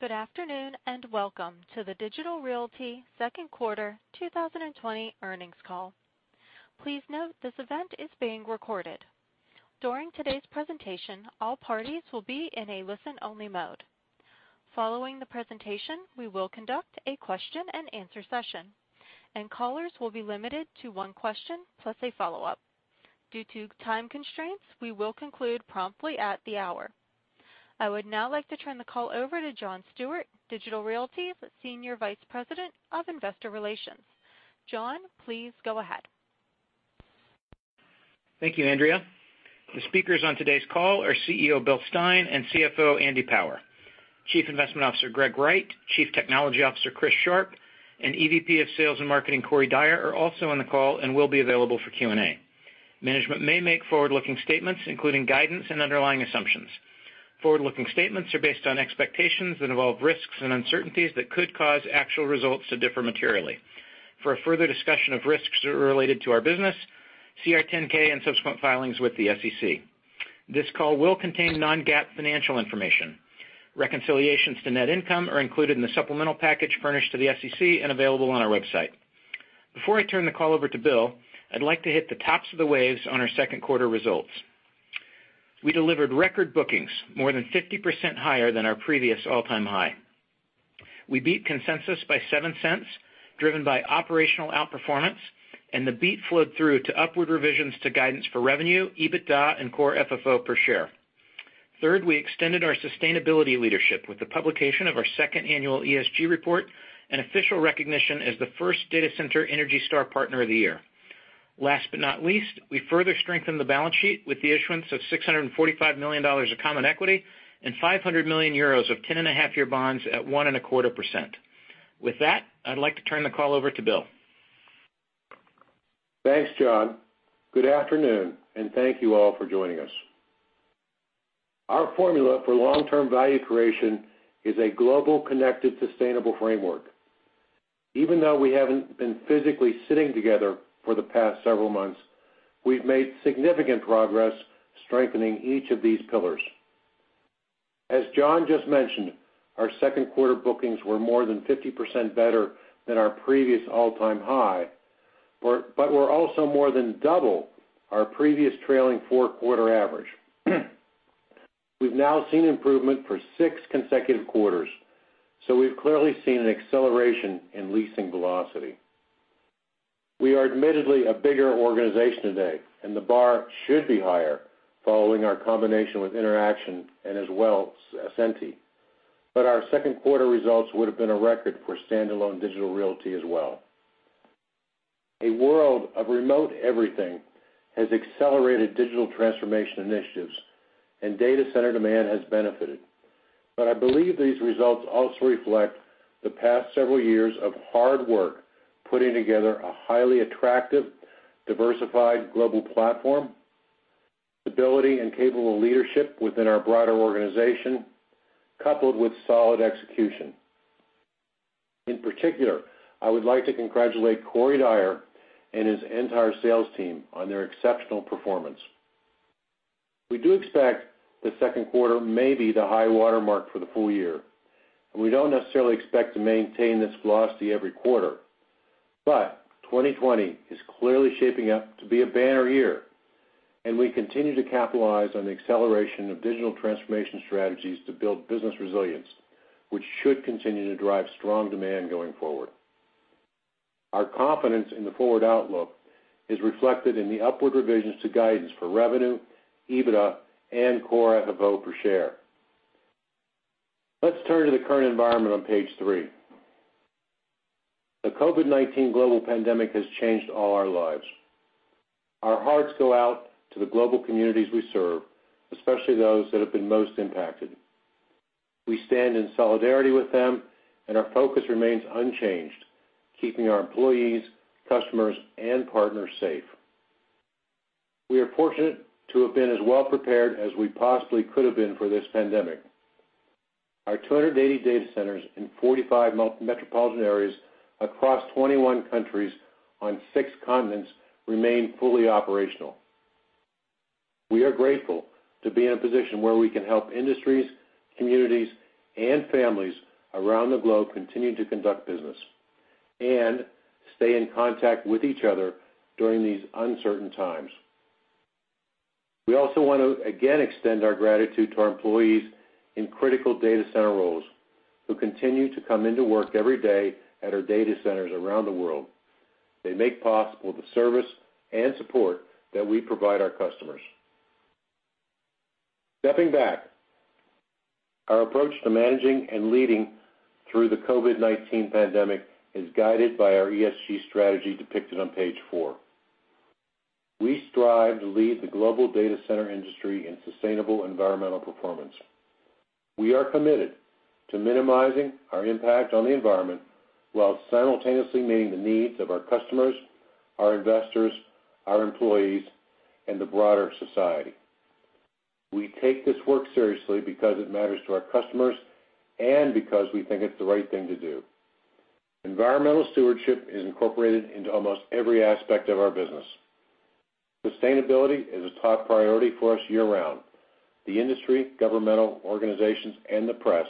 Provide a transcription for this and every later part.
Good afternoon, and welcome to the Digital Realty second quarter 2020 earnings call. Please note this event is being recorded. During today's presentation, all parties will be in a listen-only mode. Following the presentation, we will conduct a question and answer session. Callers will be limited to one question plus a follow-up. Due to time constraints, we will conclude promptly at the hour. I would now like to turn the call over to John Stewart, Digital Realty's Senior Vice President of Investor Relations. John, please go ahead. Thank you, Andrea. The speakers on today's call are CEO, Bill Stein, and CFO, Andy Power. Chief Investment Officer, Greg Wright, Chief Technology Officer, Chris Sharp, and EVP of Sales and Marketing, Corey Dyer, are also on the call and will be available for Q&A. Management may make forward-looking statements, including guidance and underlying assumptions. Forward-looking statements are based on expectations that involve risks and uncertainties that could cause actual results to differ materially. For a further discussion of risks related to our business, see our 10K and subsequent filings with the SEC. This call will contain non-GAAP financial information. Reconciliations to net income are included in the supplemental package furnished to the SEC and available on our website. Before I turn the call over to Bill, I'd like to hit the tops of the waves on our second quarter results. We delivered record bookings more than 50% higher than our previous all-time high. The beat flowed through to upward revisions to guidance for revenue, EBITDA, and core FFO per share. Third, we extended our sustainability leadership with the publication of our second annual ESG report and official recognition as the first data center ENERGY STAR partner of the year. Last but not least, we further strengthened the balance sheet with the issuance of $645 million of common equity and 500 million euros of 10 and a half year bonds at 1.25%. With that, I'd like to turn the call over to Bill. Thanks, John. Good afternoon, and thank you all for joining us. Our formula for long-term value creation is a global, connected, sustainable framework. Even though we haven't been physically sitting together for the past several months, we've made significant progress strengthening each of these pillars. As John just mentioned, our 2Q bookings were more than 50% better than our previous all-time high, but were also more than double our previous trailing four quarter average. We've now seen improvement for six consecutive quarters, so we've clearly seen an acceleration in leasing velocity. We are admittedly a bigger organization today, and the bar should be higher following our combination with Interaction, and as well, Ascenty. Our 2Q results would've been a record for standalone Digital Realty as well. A world of remote everything has accelerated digital transformation initiatives. Data center demand has benefited. I believe these results also reflect the past several years of hard work putting together a highly attractive, diversified global platform, stability and capable leadership within our broader organization, coupled with solid execution. In particular, I would like to congratulate Corey Dyer and his entire sales team on their exceptional performance. We do expect the second quarter may be the high watermark for the full year, and we don't necessarily expect to maintain this velocity every quarter. 2020 is clearly shaping up to be a banner year, and we continue to capitalize on the acceleration of digital transformation strategies to build business resilience, which should continue to drive strong demand going forward. Our confidence in the forward outlook is reflected in the upward revisions to guidance for revenue, EBITDA and core FFO per share. Let's turn to the current environment on page three. The COVID-19 global pandemic has changed all our lives. Our hearts go out to the global communities we serve, especially those that have been most impacted. We stand in solidarity with them, and our focus remains unchanged, keeping our employees, customers, and partners safe. We are fortunate to have been as well prepared as we possibly could have been for this pandemic. Our 280 data centers in 45 metropolitan areas across 21 countries on six continents remain fully operational. We are grateful to be in a position where we can help industries, communities, and families around the globe continue to conduct business and stay in contact with each other during these uncertain times. We also want to, again, extend our gratitude to our employees in critical data center roles who continue to come into work every day at our data centers around the world. They make possible the service and support that we provide our customers. Stepping back, our approach to managing and leading through the COVID-19 pandemic is guided by our ESG strategy depicted on page four. We strive to lead the global data center industry in sustainable environmental performance. We are committed to minimizing our impact on the environment while simultaneously meeting the needs of our customers, our investors, our employees, and the broader society. We take this work seriously because it matters to our customers and because we think it's the right thing to do. Environmental stewardship is incorporated into almost every aspect of our business. Sustainability is a top priority for us year-round. The industry, governmental organizations, and the press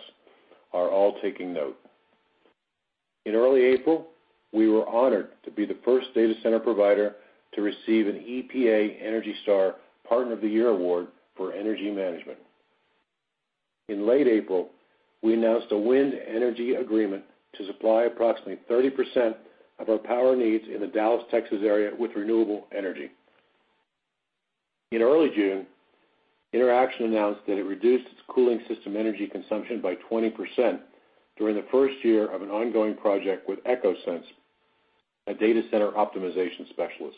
are all taking note. In early April, we were honored to be the first data center provider to receive an EPA ENERGY STAR Partner of the Year Award for energy management. In late April, we announced a wind energy agreement to supply approximately 30% of our power needs in the Dallas, Texas area with renewable energy. In early June, Interxion announced that it reduced its cooling system energy consumption by 20% during the first year of an ongoing project with Ecolab, a data center optimization specialist.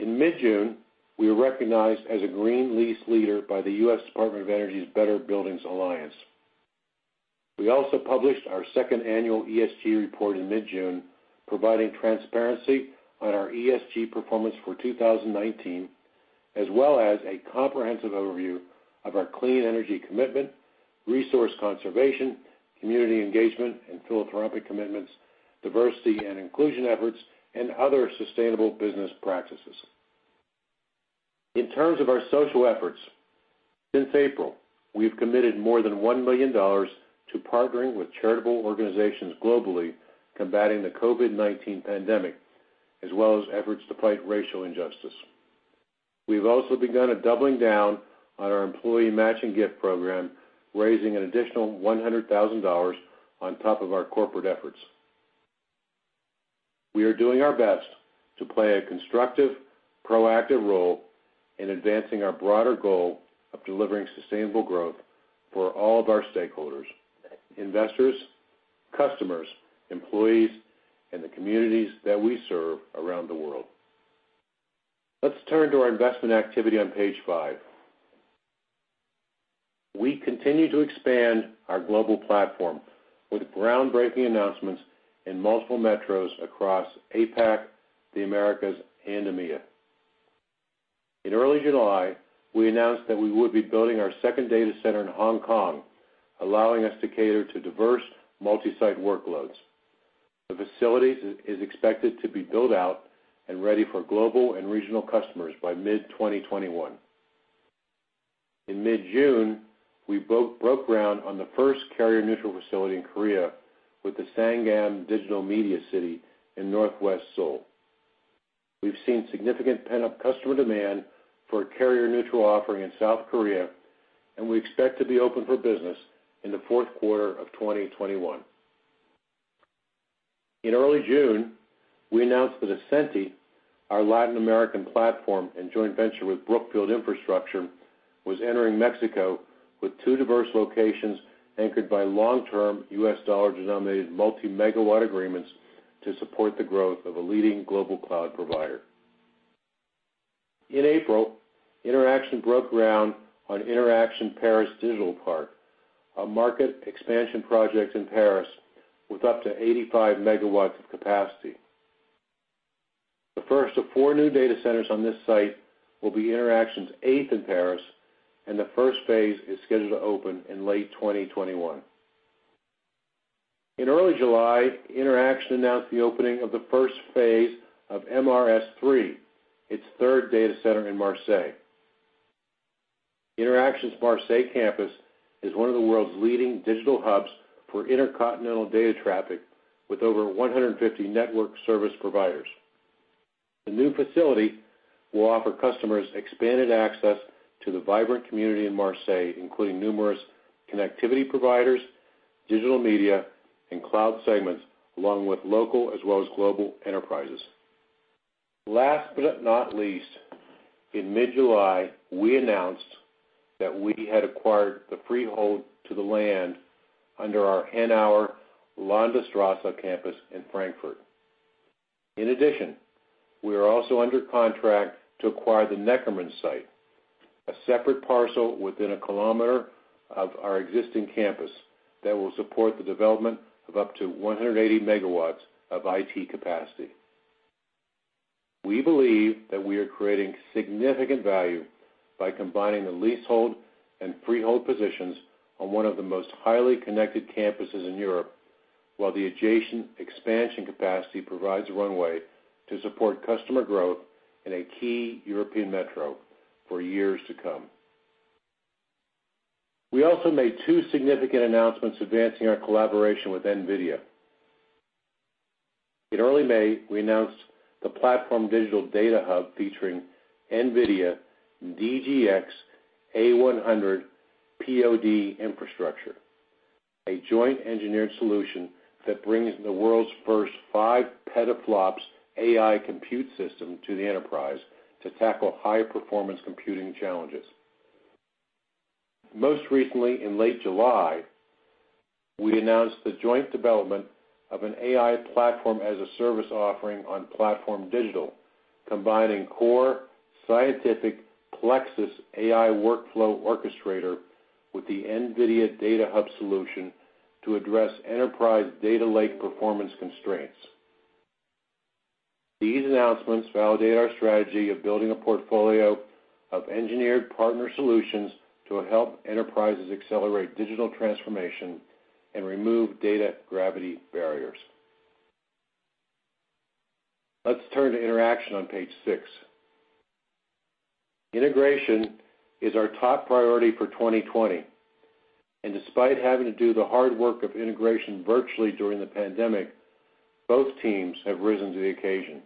In mid-June, we were recognized as a Green Lease Leader by the U.S. Department of Energy's Better Buildings Alliance. We also published our second annual ESG report in mid-June, providing transparency on our ESG performance for 2019, as well as a comprehensive overview of our clean energy commitment, resource conservation, community engagement, and philanthropic commitments, diversity and inclusion efforts, and other sustainable business practices. In terms of our social efforts, since April, we've committed more than $1 million to partnering with charitable organizations globally, combating the COVID-19 pandemic, as well as efforts to fight racial injustice. We've also begun a doubling down on our employee matching gift program, raising an additional $100,000 on top of our corporate efforts. We are doing our best to play a constructive, proactive role in advancing our broader goal of delivering sustainable growth for all of our stakeholders, investors, customers, employees, and the communities that we serve around the world. Let's turn to our investment activity on page five. We continue to expand our global platform with groundbreaking announcements in multiple metros across APAC, the Americas, and EMEA. In early July, we announced that we would be building our second data center in Hong Kong, allowing us to cater to diverse multi-site workloads. The facility is expected to be built out and ready for global and regional customers by mid-2021. In mid-June, we broke ground on the first carrier-neutral facility in Korea with the Sangam Digital Media City in northwest Seoul. We've seen significant pent-up customer demand for a carrier-neutral offering in South Korea, and we expect to be open for business in the fourth quarter of 2021. In early June, we announced that Ascenty, our Latin American platform and joint venture with Brookfield Infrastructure, was entering Mexico with two diverse locations anchored by long-term U.S. dollar-denominated multi-megawatt agreements to support the growth of a leading global cloud provider. In April, Interxion broke ground on Interxion Paris Digital Park, a market expansion project in Paris with up to 85 megawatts of capacity. The first of four new data centers on this site will be Interxion's eighth in Paris, and the first phase is scheduled to open in late 2021. In early July, Interxion announced the opening of the first phase of MRS3, its third data center in Marseille. Interxion's Marseille campus is one of the world's leading digital hubs for intercontinental data traffic, with over 150 network service providers. The new facility will offer customers expanded access to the vibrant community in Marseille, including numerous connectivity providers, digital media, and cloud segments, along with local as well as global enterprises. Last but not least, in mid-July, we announced that we had acquired the freehold to the land under our Hanauer Landstraße campus in Frankfurt. In addition, we are also under contract to acquire the Neckermann site, a separate parcel within a kilometer of our existing campus that will support the development of up to 180 megawatts of IT capacity. We believe that we are creating significant value by combining the leasehold and freehold positions on one of the most highly connected campuses in Europe, while the adjacent expansion capacity provides a runway to support customer growth in a key European metro for years to come. We also made two significant announcements advancing our collaboration with NVIDIA. In early May, we announced the PlatformDIGITAL Data Hub featuring NVIDIA DGX A100 POD infrastructure, a joint engineered solution that brings the world's first five petaFLOPS AI compute system to the enterprise to tackle high-performance computing challenges. Most recently, in late July, we announced the joint development of an AI platform-as-a-service offering on PlatformDIGITAL, combining Core Scientific Plexus AI workflow orchestrator with the NVIDIA Data Hub solution to address enterprise data lake performance constraints. These announcements validate our strategy of building a portfolio of engineered partner solutions to help enterprises accelerate digital transformation. Remove data gravity barriers. Let's turn to Interxion on page six. Integration is our top priority for 2020, and despite having to do the hard work of integration virtually during the pandemic, both teams have risen to the occasion.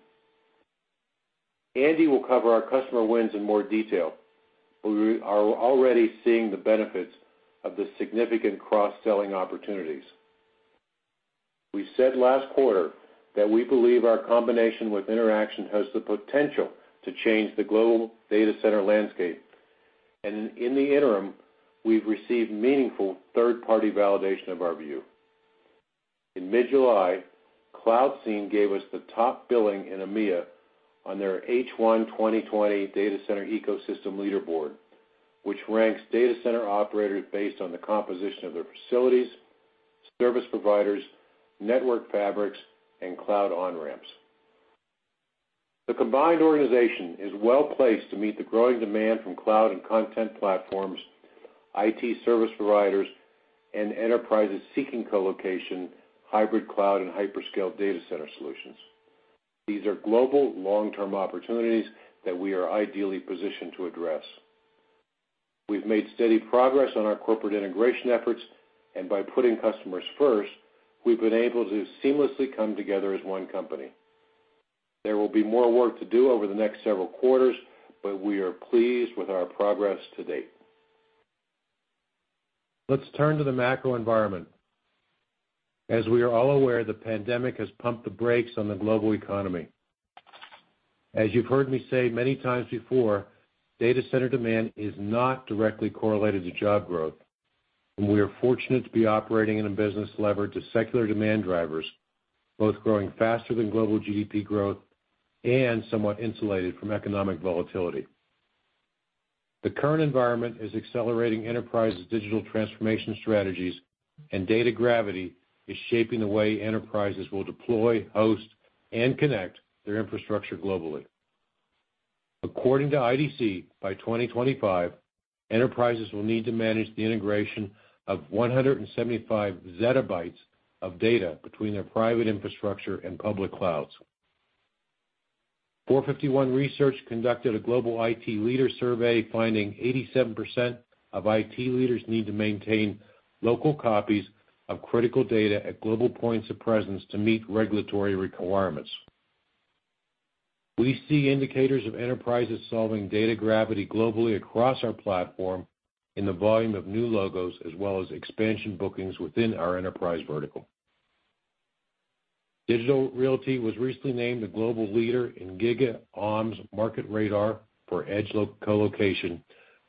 Andy will cover our customer wins in more detail. We are already seeing the benefits of the significant cross-selling opportunities. We said last quarter that we believe our combination with Interxion has the potential to change the global data center landscape, and in the interim, we've received meaningful third-party validation of our view. In mid-July, Cloudscene gave us the top billing in EMEA on their H1 2020 Data Center Ecosystem Leaderboard, which ranks data center operators based on the composition of their facilities, service providers, network fabrics, and cloud on-ramps. The combined organization is well-placed to meet the growing demand from cloud and content platforms, IT service providers, and enterprises seeking colocation, hybrid cloud, and hyperscale data center solutions. These are global, long-term opportunities that we are ideally positioned to address. We've made steady progress on our corporate integration efforts, and by putting customers first, we've been able to seamlessly come together as one company. There will be more work to do over the next several quarters, but we are pleased with our progress to date. Let's turn to the macro environment. As we are all aware, the pandemic has pumped the brakes on the global economy. As you've heard me say many times before, data center demand is not directly correlated to job growth, and we are fortunate to be operating in a business levered to secular demand drivers, both growing faster than global GDP growth and somewhat insulated from economic volatility. The current environment is accelerating enterprises' digital transformation strategies, and data gravity is shaping the way enterprises will deploy, host, and connect their infrastructure globally. According to IDC, by 2025, enterprises will need to manage the integration of 175 zettabytes of data between their private infrastructure and public clouds. 451 Research conducted a global IT leader survey, finding 87% of IT leaders need to maintain local copies of critical data at global points of presence to meet regulatory requirements. We see indicators of enterprises solving data gravity globally across our platform in the volume of new logos as well as expansion bookings within our enterprise vertical. Digital Realty was recently named the global leader in GigaOm's Market Radar for edge colocation,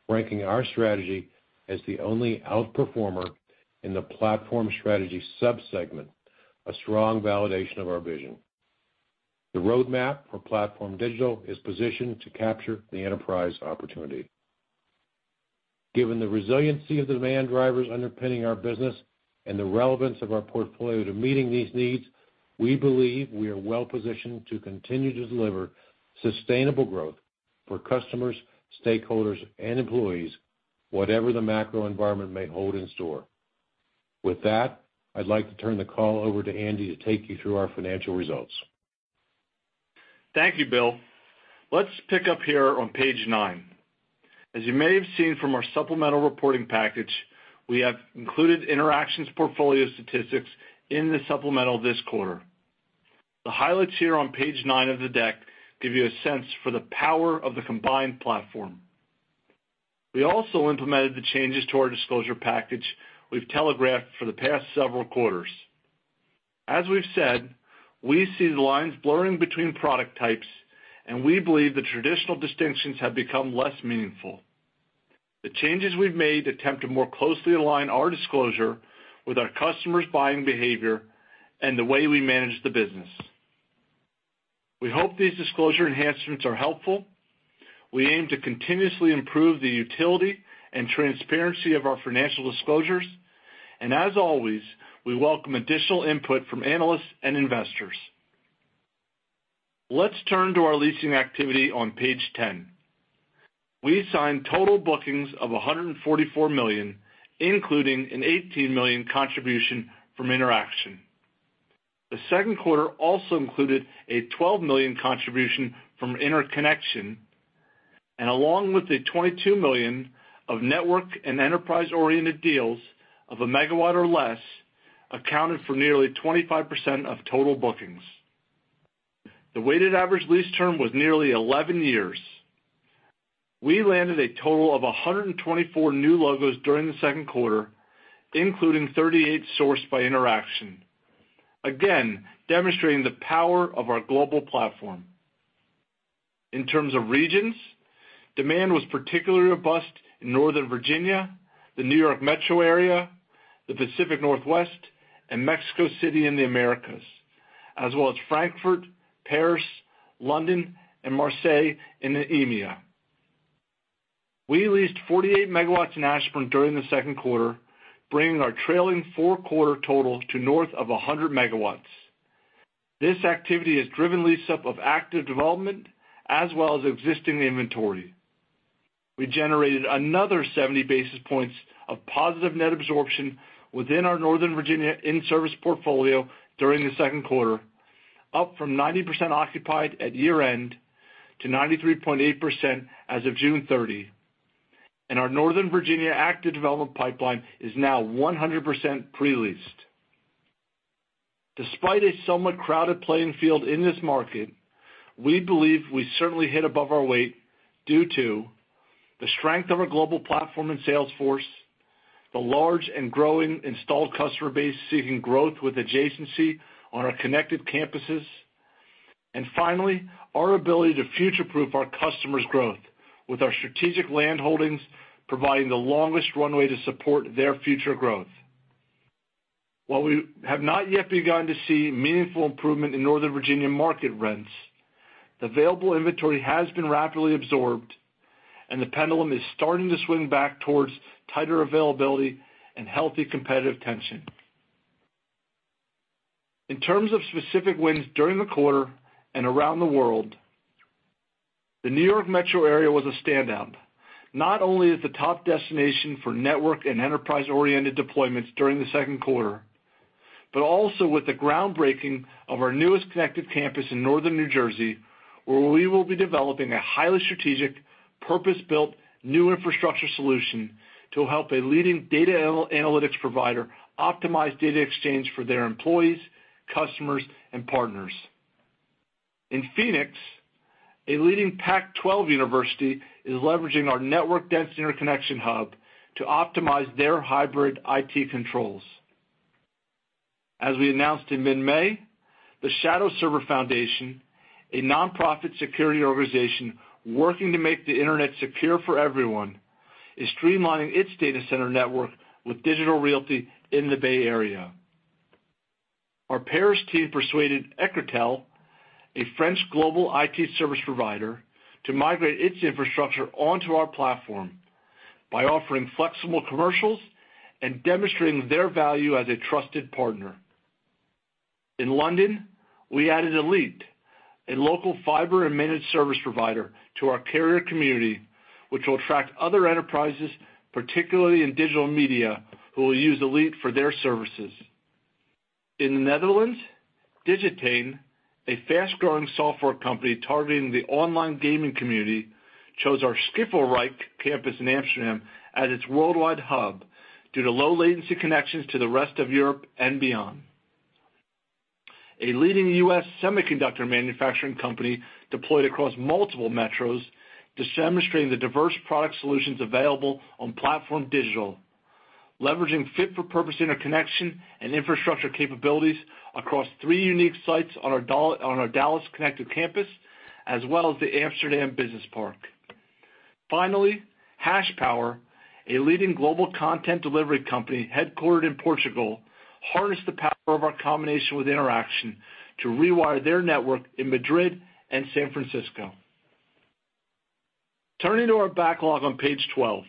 ranking our strategy as the only outperformer in the platform strategy sub-segment, a strong validation of our vision. The roadmap for PlatformDIGITAL is positioned to capture the enterprise opportunity. Given the resiliency of the demand drivers underpinning our business and the relevance of our portfolio to meeting these needs, we believe we are well-positioned to continue to deliver sustainable growth for customers, stakeholders, and employees, whatever the macro environment may hold in store. With that, I'd like to turn the call over to Andy to take you through our financial results. Thank you, Bill. Let's pick up here on page nine. As you may have seen from our supplemental reporting package, we have included Interxion's portfolio statistics in the supplemental this quarter. The highlights here on page nine of the deck give you a sense for the power of the combined platform. We also implemented the changes to our disclosure package we've telegraphed for the past several quarters. As we've said, we see the lines blurring between product types, and we believe the traditional distinctions have become less meaningful. The changes we've made attempt to more closely align our disclosure with our customers' buying behavior and the way we manage the business. We hope these disclosure enhancements are helpful. We aim to continuously improve the utility and transparency of our financial disclosures, and as always, we welcome additional input from analysts and investors. Let's turn to our leasing activity on page 10. We signed total bookings of $144 million, including an $18 million contribution from Interxion. The second quarter also included a $12 million contribution from Interxion, and along with the $22 million of network and enterprise-oriented deals of a 1 MW or less, accounted for nearly 25% of total bookings. The weighted average lease term was nearly 11 years. We landed a total of 124 new logos during the second quarter, including 38 sourced by Interxion, again demonstrating the power of our global platform. In terms of regions, demand was particularly robust in Northern Virginia, the New York Metro area, the Pacific Northwest, and Mexico City in the Americas, as well as Frankfurt, Paris, London, and Marseille in the EMEA. We leased 48 MW in Ashburn during the second quarter, bringing our trailing four-quarter total to north of 100 MW. This activity has driven lease-up of active development as well as existing inventory. We generated another 70 basis points of positive net absorption within our Northern Virginia in-service portfolio during the second quarter, up from 90% occupied at year-end to 93.8% as of June 30. Our Northern Virginia active development pipeline is now 100% pre-leased. Despite a somewhat crowded playing field in this market, we believe we certainly hit above our weight due to the strength of our global platform and sales force, the large and growing installed customer base seeking growth with adjacency on our connected campuses, and finally, our ability to future-proof our customers' growth with our strategic land holdings providing the longest runway to support their future growth. While we have not yet begun to see meaningful improvement in Northern Virginia market rents, the available inventory has been rapidly absorbed, and the pendulum is starting to swing back towards tighter availability and healthy competitive tension. In terms of specific wins during the quarter and around the world, the New York metro area was a standout, not only as the top destination for network and enterprise-oriented deployments during the second quarter, but also with the groundbreaking of our newest connected campus in Northern New Jersey, where we will be developing a highly strategic, purpose-built new infrastructure solution to help a leading data analytics provider optimize data exchange for their employees, customers, and partners. In Phoenix, a leading Pac-12 university is leveraging our network-dense interconnection hub to optimize their hybrid IT controls. As we announced in mid-May, The Shadowserver Foundation, a non-profit security organization working to make the internet secure for everyone, is streamlining its data center network with Digital Realty in the Bay Area. Our Paris team persuaded Ecritel, a French global IT service provider, to migrate its infrastructure onto our platform by offering flexible commercials and demonstrating their value as a trusted partner. In London, we added Elite, a local fiber and managed service provider, to our carrier community, which will attract other enterprises, particularly in digital media, who will use Elite for their services. In the Netherlands, Digaine, a fast-growing software company targeting the online gaming community, chose our Schiphol-Rijk campus in Amsterdam as its worldwide hub due to low latency connections to the rest of Europe and beyond. A leading U.S. semiconductor manufacturing company deployed across multiple metros demonstrating the diverse product solutions available on PlatformDIGITAL, leveraging fit-for-purpose interconnection and infrastructure capabilities across three unique sites on our Dallas connected campus, as well as the Amsterdam Business Park. Finally, HashPower, a leading global content delivery company headquartered in Portugal, harnessed the power of our combination with Interxion to rewire their network in Madrid and San Francisco. Turning to our backlog on page 12.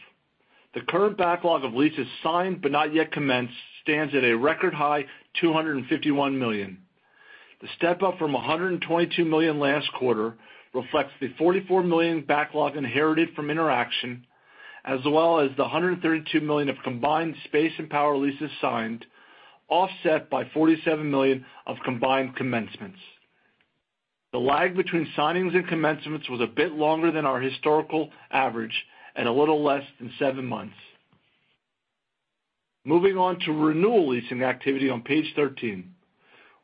The current backlog of leases signed but not yet commenced stands at a record high $251 million. The step up from $122 million last quarter reflects the $44 million backlog inherited from Interxion, as well as the $132 million of combined space and power leases signed, offset by $47 million of combined commencements. The lag between signings and commencements was a bit longer than our historical average and a little less than seven months. Moving on to renewal leasing activity on page 13.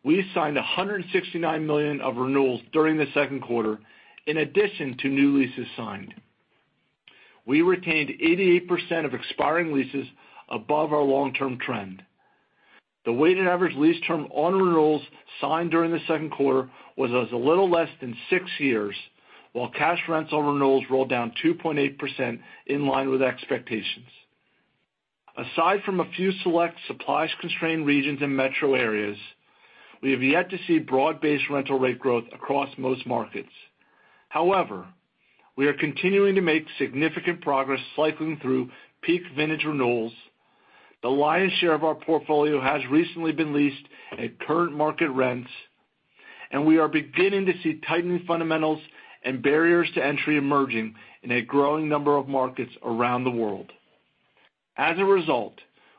We signed $169 million of renewals during the second quarter in addition to new leases signed. We retained 88% of expiring leases above our long-term trend. The weighted average lease term on renewals signed during the second quarter was a little less than six years, while cash rents on renewals rolled down 2.8% in line with expectations. Aside from a few select supply-constrained regions and metro areas, we have yet to see broad-based rental rate growth across most markets. However, we are continuing to make significant progress cycling through peak vintage renewals. The lion's share of our portfolio has recently been leased at current market rents, and we are beginning to see tightening fundamentals and barriers to entry emerging in a growing number of markets around the world.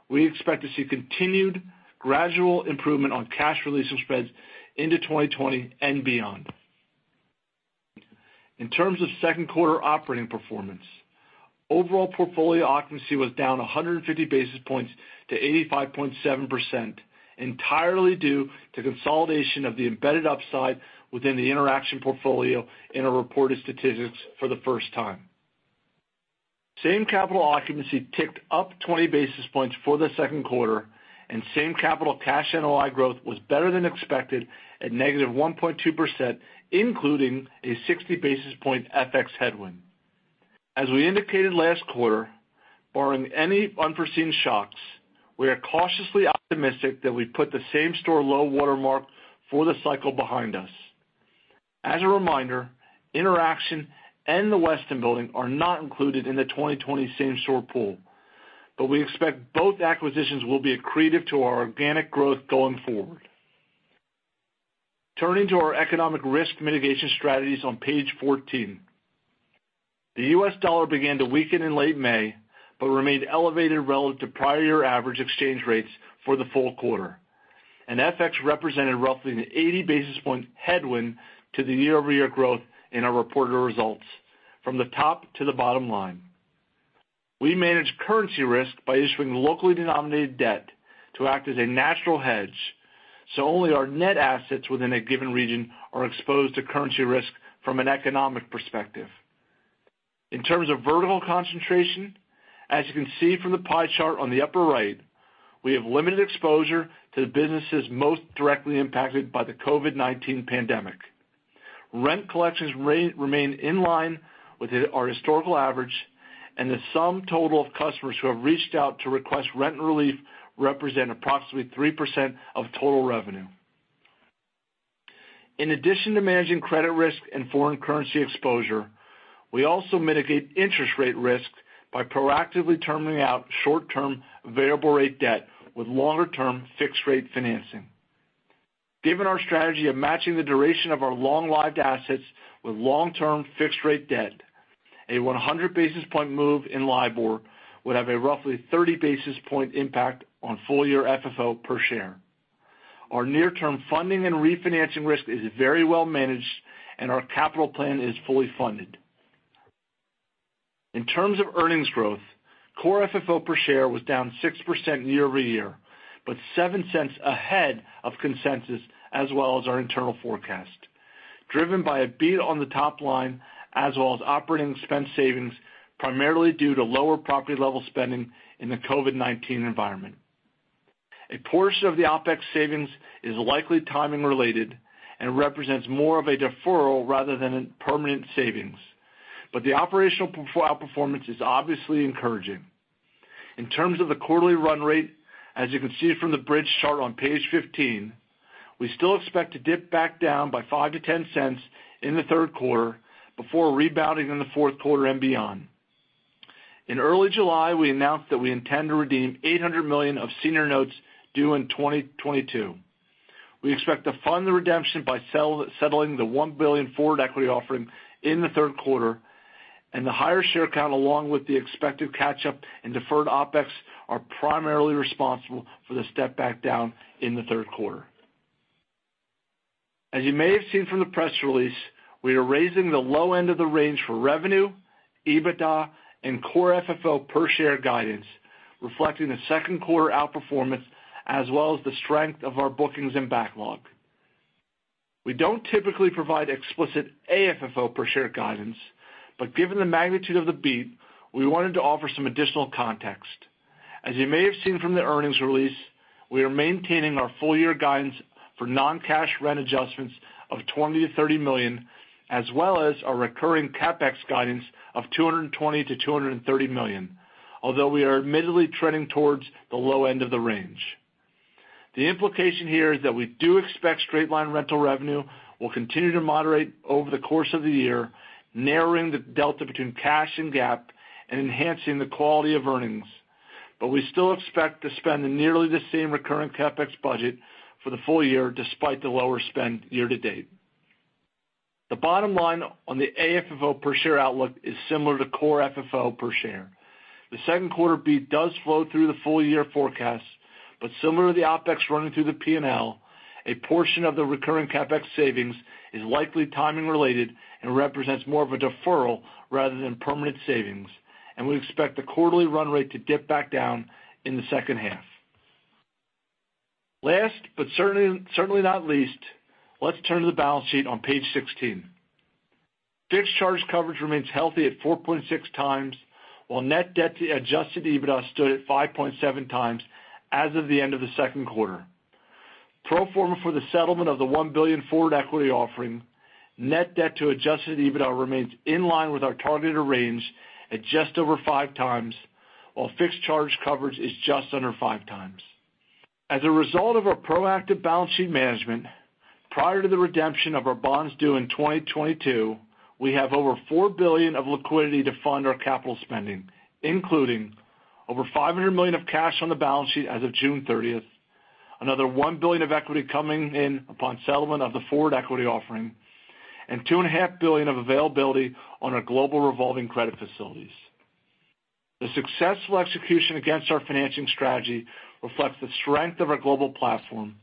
We expect to see continued gradual improvement on cash release spreads into 2020 and beyond. In terms of second quarter operating performance, overall portfolio occupancy was down 150 basis points to 85.7%, entirely due to consolidation of the embedded upside within the Interxion portfolio in our reported statistics for the first time. Same-capital occupancy ticked up 20 basis points for the second quarter, same-capital cash NOI growth was better than expected at -1.2%, including a 60 basis point FX headwind. As we indicated last quarter, barring any unforeseen shocks, we are cautiously optimistic that we've put the same-store low water mark for the cycle behind us. As a reminder, Interxion and the Westin Building are not included in the 2020 same-store pool, we expect both acquisitions will be accretive to our organic growth going forward. Turning to our economic risk mitigation strategies on page 14. The U.S. dollar began to weaken in late May, but remained elevated relative to prior average exchange rates for the full quarter. FX represented roughly an 80 basis point headwind to the year-over-year growth in our reported results from the top to the bottom line. We manage currency risk by issuing locally denominated debt to act as a natural hedge, so only our net assets within a given region are exposed to currency risk from an economic perspective. In terms of vertical concentration, as you can see from the pie chart on the upper right, we have limited exposure to the businesses most directly impacted by the COVID-19 pandemic. Rent collections remain in line with our historical average. The sum total of customers who have reached out to request rent relief represent approximately 3% of total revenue. In addition to managing credit risk and foreign currency exposure, we also mitigate interest rate risk by proactively terming out short-term variable rate debt with longer term fixed rate financing. Given our strategy of matching the duration of our long-lived assets with long-term fixed rate debt, a 100 basis point move in LIBOR would have a roughly 30 basis point impact on full year FFO per share. Our near-term funding and refinancing risk is very well managed and our capital plan is fully funded. In terms of earnings growth, core FFO per share was down 6% year-over-year, but $0.07 ahead of consensus as well as our internal forecast, driven by a beat on the top line as well as operating expense savings, primarily due to lower property level spending in the COVID-19 environment. A portion of the OpEx savings is likely timing related and represents more of a deferral rather than a permanent savings. The operational outperformance is obviously encouraging. In terms of the quarterly run rate, as you can see from the bridge chart on page 15, we still expect to dip back down by $0.05-$0.10 in the third quarter before rebounding in the fourth quarter and beyond. In early July, we announced that we intend to redeem $800 million of senior notes due in 2022. We expect to fund the redemption by settling the $1 billion forward equity offering in the third quarter. The higher share count, along with the expected catch-up in deferred OpEx, are primarily responsible for the step back down in the third quarter. As you may have seen from the press release, we are raising the low end of the range for revenue, EBITDA, and core FFO per share guidance, reflecting the second quarter outperformance, as well as the strength of our bookings and backlog. We don't typically provide explicit AFFO per share guidance, but given the magnitude of the beat, we wanted to offer some additional context. As you may have seen from the earnings release, we are maintaining our full year guidance for non-cash rent adjustments of $20 million-$30 million, as well as our recurring CapEx guidance of $220 million-$230 million. Although we are admittedly trending towards the low end of the range. The implication here is that we do expect straight line rental revenue will continue to moderate over the course of the year, narrowing the delta between cash and GAAP and enhancing the quality of earnings. We still expect to spend nearly the same recurring CapEx budget for the full year, despite the lower spend year to date. The bottom line on the AFFO per share outlook is similar to core FFO per share. The second quarter beat does flow through the full year forecast, but similar to the OpEx running through the P&L, a portion of the recurring CapEx savings is likely timing related and represents more of a deferral rather than permanent savings, and we expect the quarterly run rate to dip back down in the second half. Last but certainly not least, let's turn to the balance sheet on page 16. Fixed charge coverage remains healthy at 4.6 times, while net debt to adjusted EBITDA stood at 5.7 times as of the end of the second quarter. Pro forma for the settlement of the $1 billion forward equity offering, net debt to adjusted EBITDA remains in line with our targeted range at just over five times, while fixed charge coverage is just under five times. As a result of our proactive balance sheet management, prior to the redemption of our bonds due in 2022, we have over $4 billion of liquidity to fund our capital spending, including over $500 million of cash on the balance sheet as of June 30th, another $1 billion of equity coming in upon settlement of the forward equity offering, and $2.5 billion of availability on our global revolving credit facilities. The successful execution against our financing strategy reflects the strength of our global platform,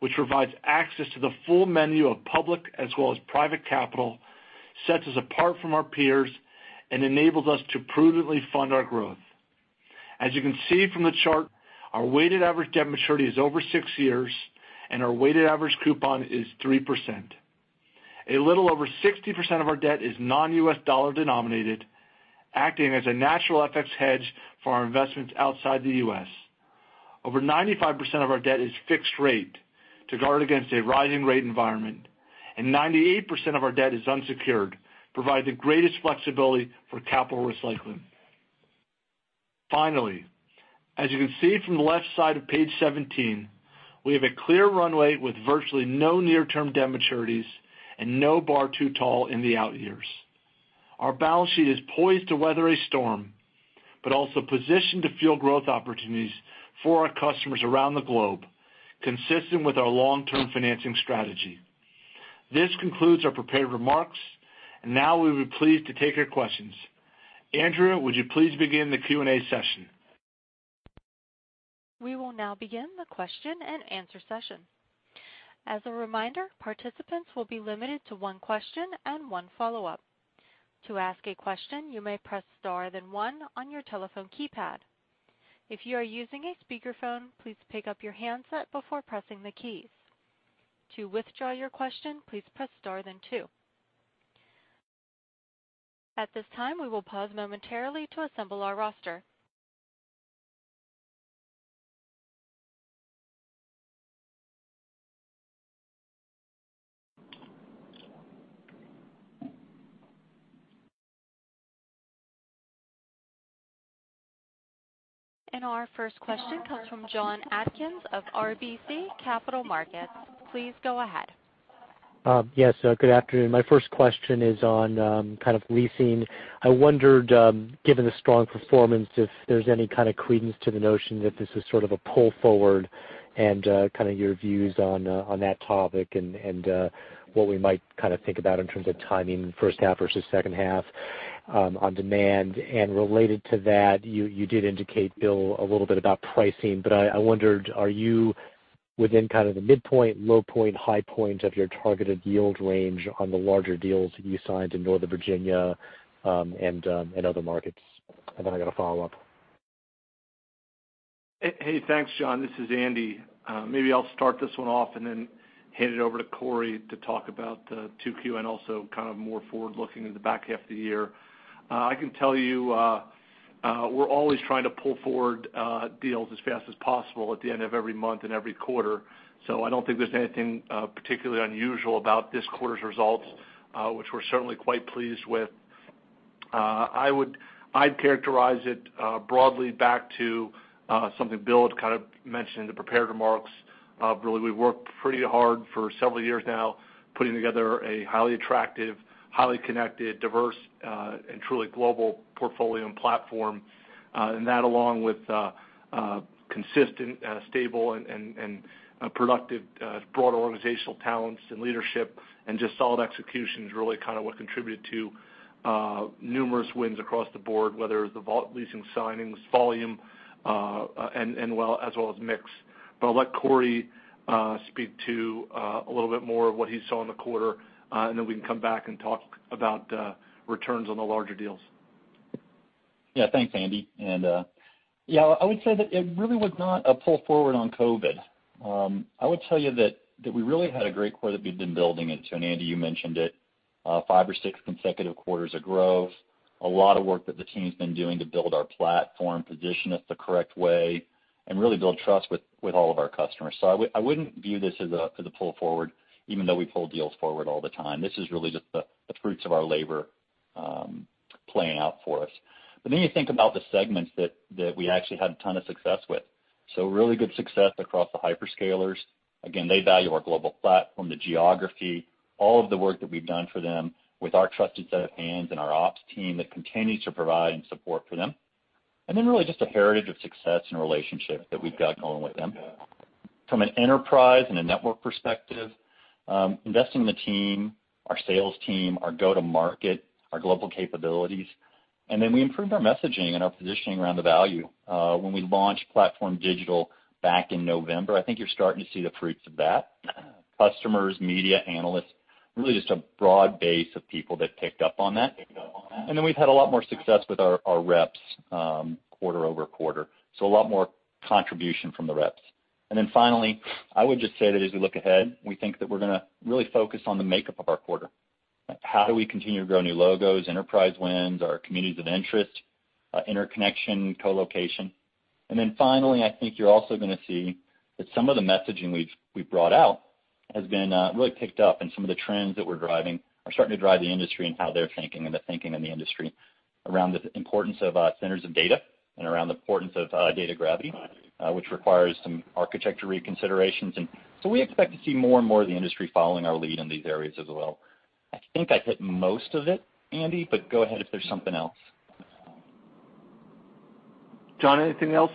which provides access to the full menu of public as well as private capital, sets us apart from our peers, and enables us to prudently fund our growth. As you can see from the chart, our weighted average debt maturity is over six years, and our weighted average coupon is 3%. A little over 60% of our debt is non-U.S. dollar denominated, acting as a natural FX hedge for our investments outside the U.S. Over 95% of our debt is fixed rate to guard against a rising rate environment, and 98% of our debt is unsecured, provide the greatest flexibility for capital recycling. Finally, as you can see from the left side of page 17, we have a clear runway with virtually no near-term debt maturities and no bar too tall in the out years. Our balance sheet is poised to weather a storm, but also positioned to fuel growth opportunities for our customers around the globe, consistent with our long-term financing strategy. This concludes our prepared remarks, and now we would be pleased to take your questions. Andrew, would you please begin the Q&A session? We will now begin the question and answer session. As a reminder, participants will be limited to one question and one follow-up. To ask a question, you may press star then one on your telephone keypad. If you are using a speakerphone, please pick up your handset before pressing the keys. To withdraw your question, please press star then two. At this time, we will pause momentarily to assemble our roster. Our first question comes from Jon Atkin of RBC Capital Markets. Please go ahead. Yes, good afternoon. My first question is on leasing. I wondered, given the strong performance, if there's any kind of credence to the notion that this is sort of a pull forward and your views on that topic and what we might think about in terms of timing in the first half versus second half on demand. Related to that, you did indicate, Bill, a little bit about pricing, but I wondered, are you within kind of the midpoint, low point, high point of your targeted yield range on the larger deals you signed in Northern Virginia and other markets? I got a follow-up. Hey, thanks, John. This is Andy. Maybe I'll start this one off and then hand it over to Corey to talk about the 2Q and also more forward-looking in the back half of the year. I can tell you we're always trying to pull forward deals as fast as possible at the end of every month and every quarter. I don't think there's anything particularly unusual about this quarter's results, which we're certainly quite pleased with. I'd characterize it broadly back to something Bill kind of mentioned in the prepared remarks. Really, we've worked pretty hard for several years now, putting together a highly attractive, highly connected, diverse and truly global portfolio and platform. That along with consistent, stable and productive broad organizational talents and leadership and just solid execution is really what contributed to numerous wins across the board, whether the vault leasing signings volume as well as mix. I'll let Corey speak to a little bit more of what he saw in the quarter and then we can come back and talk about returns on the larger deals. Yeah. Thanks, Andy. I would say that it really was not a pull forward on COVID-19. I would tell you that we really had a great core that we've been building into, Andy, you mentioned it, five or six consecutive quarters of growth, a lot of work that the team's been doing to build our PlatformDIGITAL, position us the correct way, and really build trust with all of our customers. I wouldn't view this as a pull forward, even though we pull deals forward all the time. This is really just the fruits of our labor playing out for us. You think about the segments that we actually had a ton of success with. Really good success across the hyperscalers. They value our global platform, the geography, all of the work that we've done for them with our trusted set of hands and our ops team that continues to provide and support for them. Really just a heritage of success and relationship that we've got going with them. From an enterprise and a network perspective, investing in the team, our sales team, our go-to market, our global capabilities. We improved our messaging and our positioning around the value. When we launched PlatformDIGITAL back in November, I think you're starting to see the fruits of that. Customers, media, analysts, really just a broad base of people that picked up on that. We've had a lot more success with our reps quarter-over-quarter, a lot more contribution from the reps. Finally, I would just say that as we look ahead, we think that we're going to really focus on the makeup of our quarter. How do we continue to grow new logos, enterprise wins, our communities of interest, interconnection, colocation? Finally, I think you're also going to see that some of the messaging we've brought out has been really picked up and some of the trends that we're driving are starting to drive the industry and how they're thinking and the thinking in the industry around the importance of centers of data and around the importance of data gravity, which requires some architecture reconsiderations. We expect to see more and more of the industry following our lead in these areas as well. I think I hit most of it, Andy, but go ahead if there's something else. Jon, anything else?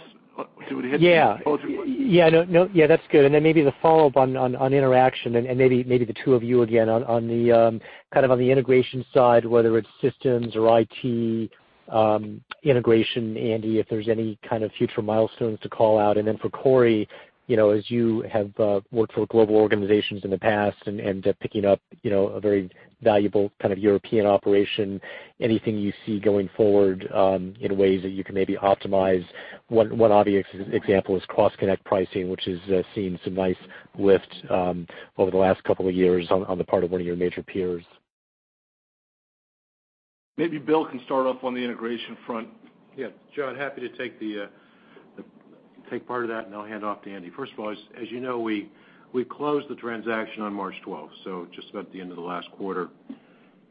Did we hit both your questions? Yeah, that's good. Maybe the follow-up on Interxion and maybe the two of you again on the integration side, whether it's systems or IT integration, Andy, if there's any kind of future milestones to call out. For Corey, as you have worked for global organizations in the past and picking up a very valuable European operation, anything you see going forward in ways that you can maybe optimize? One obvious example is cross-connect pricing, which has seen some nice lift over the last couple of years on the part of one of your major peers. Maybe Bill can start off on the integration front. Yeah. John, happy to take part of that, and I'll hand off to Andy. First of all, as you know, we closed the transaction on March 12th, so just about at the end of the last quarter.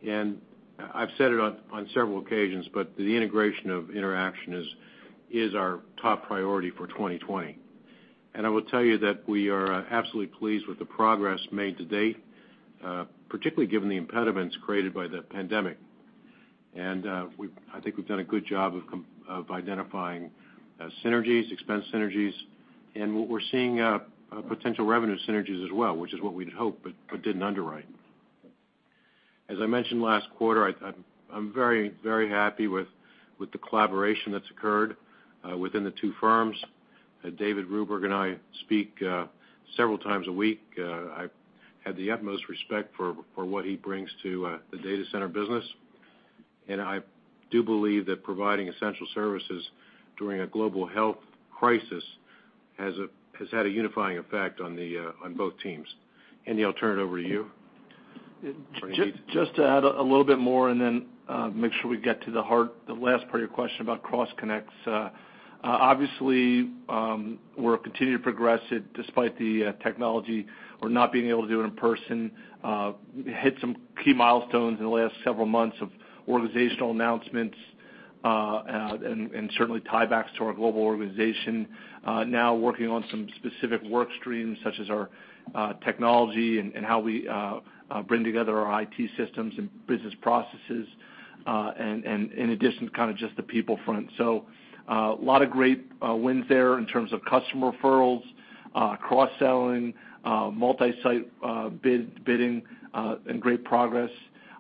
I've said it on several occasions, but the integration of Interxion is our top priority for 2020. I will tell you that we are absolutely pleased with the progress made to date, particularly given the impediments created by the pandemic. I think we've done a good job of identifying synergies, expense synergies, and what we're seeing potential revenue synergies as well, which is what we'd hoped, but didn't underwrite. As I mentioned last quarter, I'm very, very happy with the collaboration that's occurred within the two firms. David Ruberg and I speak several times a week. I have the utmost respect for what he brings to the data center business. I do believe that providing essential services during a global health crisis has had a unifying effect on both teams. Andy, I'll turn it over to you. Just to add a little bit more and then make sure we get to the last part of your question about cross connects. Obviously, we're continuing to progress it despite the technology or not being able to do it in person. Hit some key milestones in the last several months of organizational announcements, and certainly tie backs to our global organization. Now working on some specific work streams, such as our technology and how we bring together our IT systems and business processes. In addition, kind of just the people front. A lot of great wins there in terms of customer referrals, cross-selling, multi-site bidding, and great progress.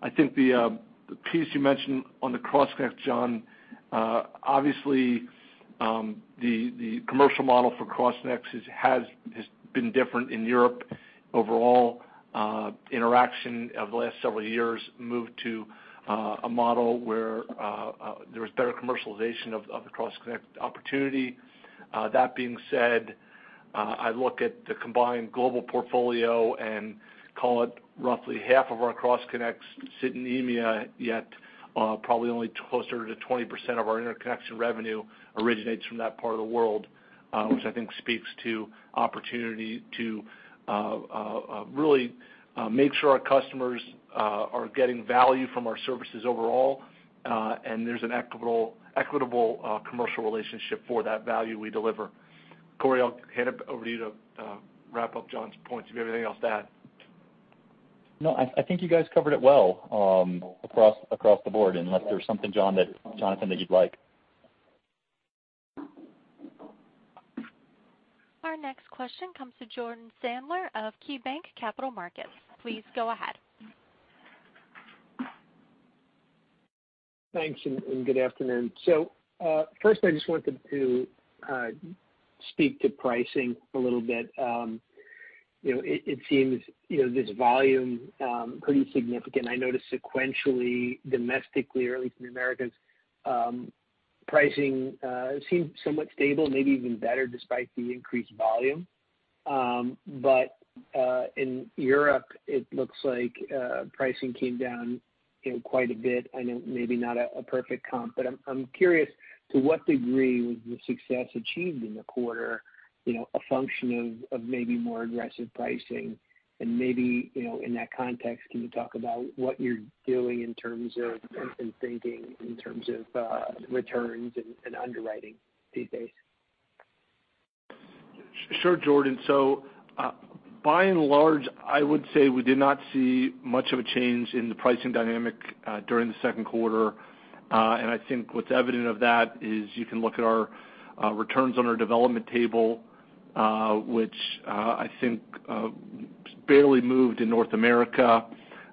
I think the piece you mentioned on the cross connect, John, obviously, the commercial model for cross connects has been different in Europe. Overall, Interxion of the last several years moved to a model where there was better commercialization of the cross connect opportunity. That being said, I look at the combined global portfolio and call it roughly half of our cross connects sit in EMEA, yet probably only closer to 20% of our interconnection revenue originates from that part of the world, which I think speaks to opportunity to really make sure our customers are getting value from our services overall. There's an equitable commercial relationship for that value we deliver. Corey, I'll hand it over to you to wrap up John's points, if you have anything else to add. No, I think you guys covered it well across the board. Unless there's something, Jonathan, that you'd like. Our next question comes to Jordan Sadler of KeyBanc Capital Markets. Please go ahead. Thanks, and good afternoon. First I just wanted to speak to pricing a little bit. It seems this volume pretty significant. I noticed sequentially, domestically, or at least in the Americas, pricing seems somewhat stable, maybe even better, despite the increased volume. In Europe, it looks like pricing came down quite a bit. I know maybe not a perfect comp, but I'm curious to what degree was the success achieved in the quarter a function of maybe more aggressive pricing? Maybe, in that context, can you talk about what you're doing in terms of thinking in terms of returns and underwriting these days? Sure, Jordan. By and large, I would say we did not see much of a change in the pricing dynamic during the second quarter. I think what's evident of that is you can look at our returns on our development table, which I think barely moved in North America.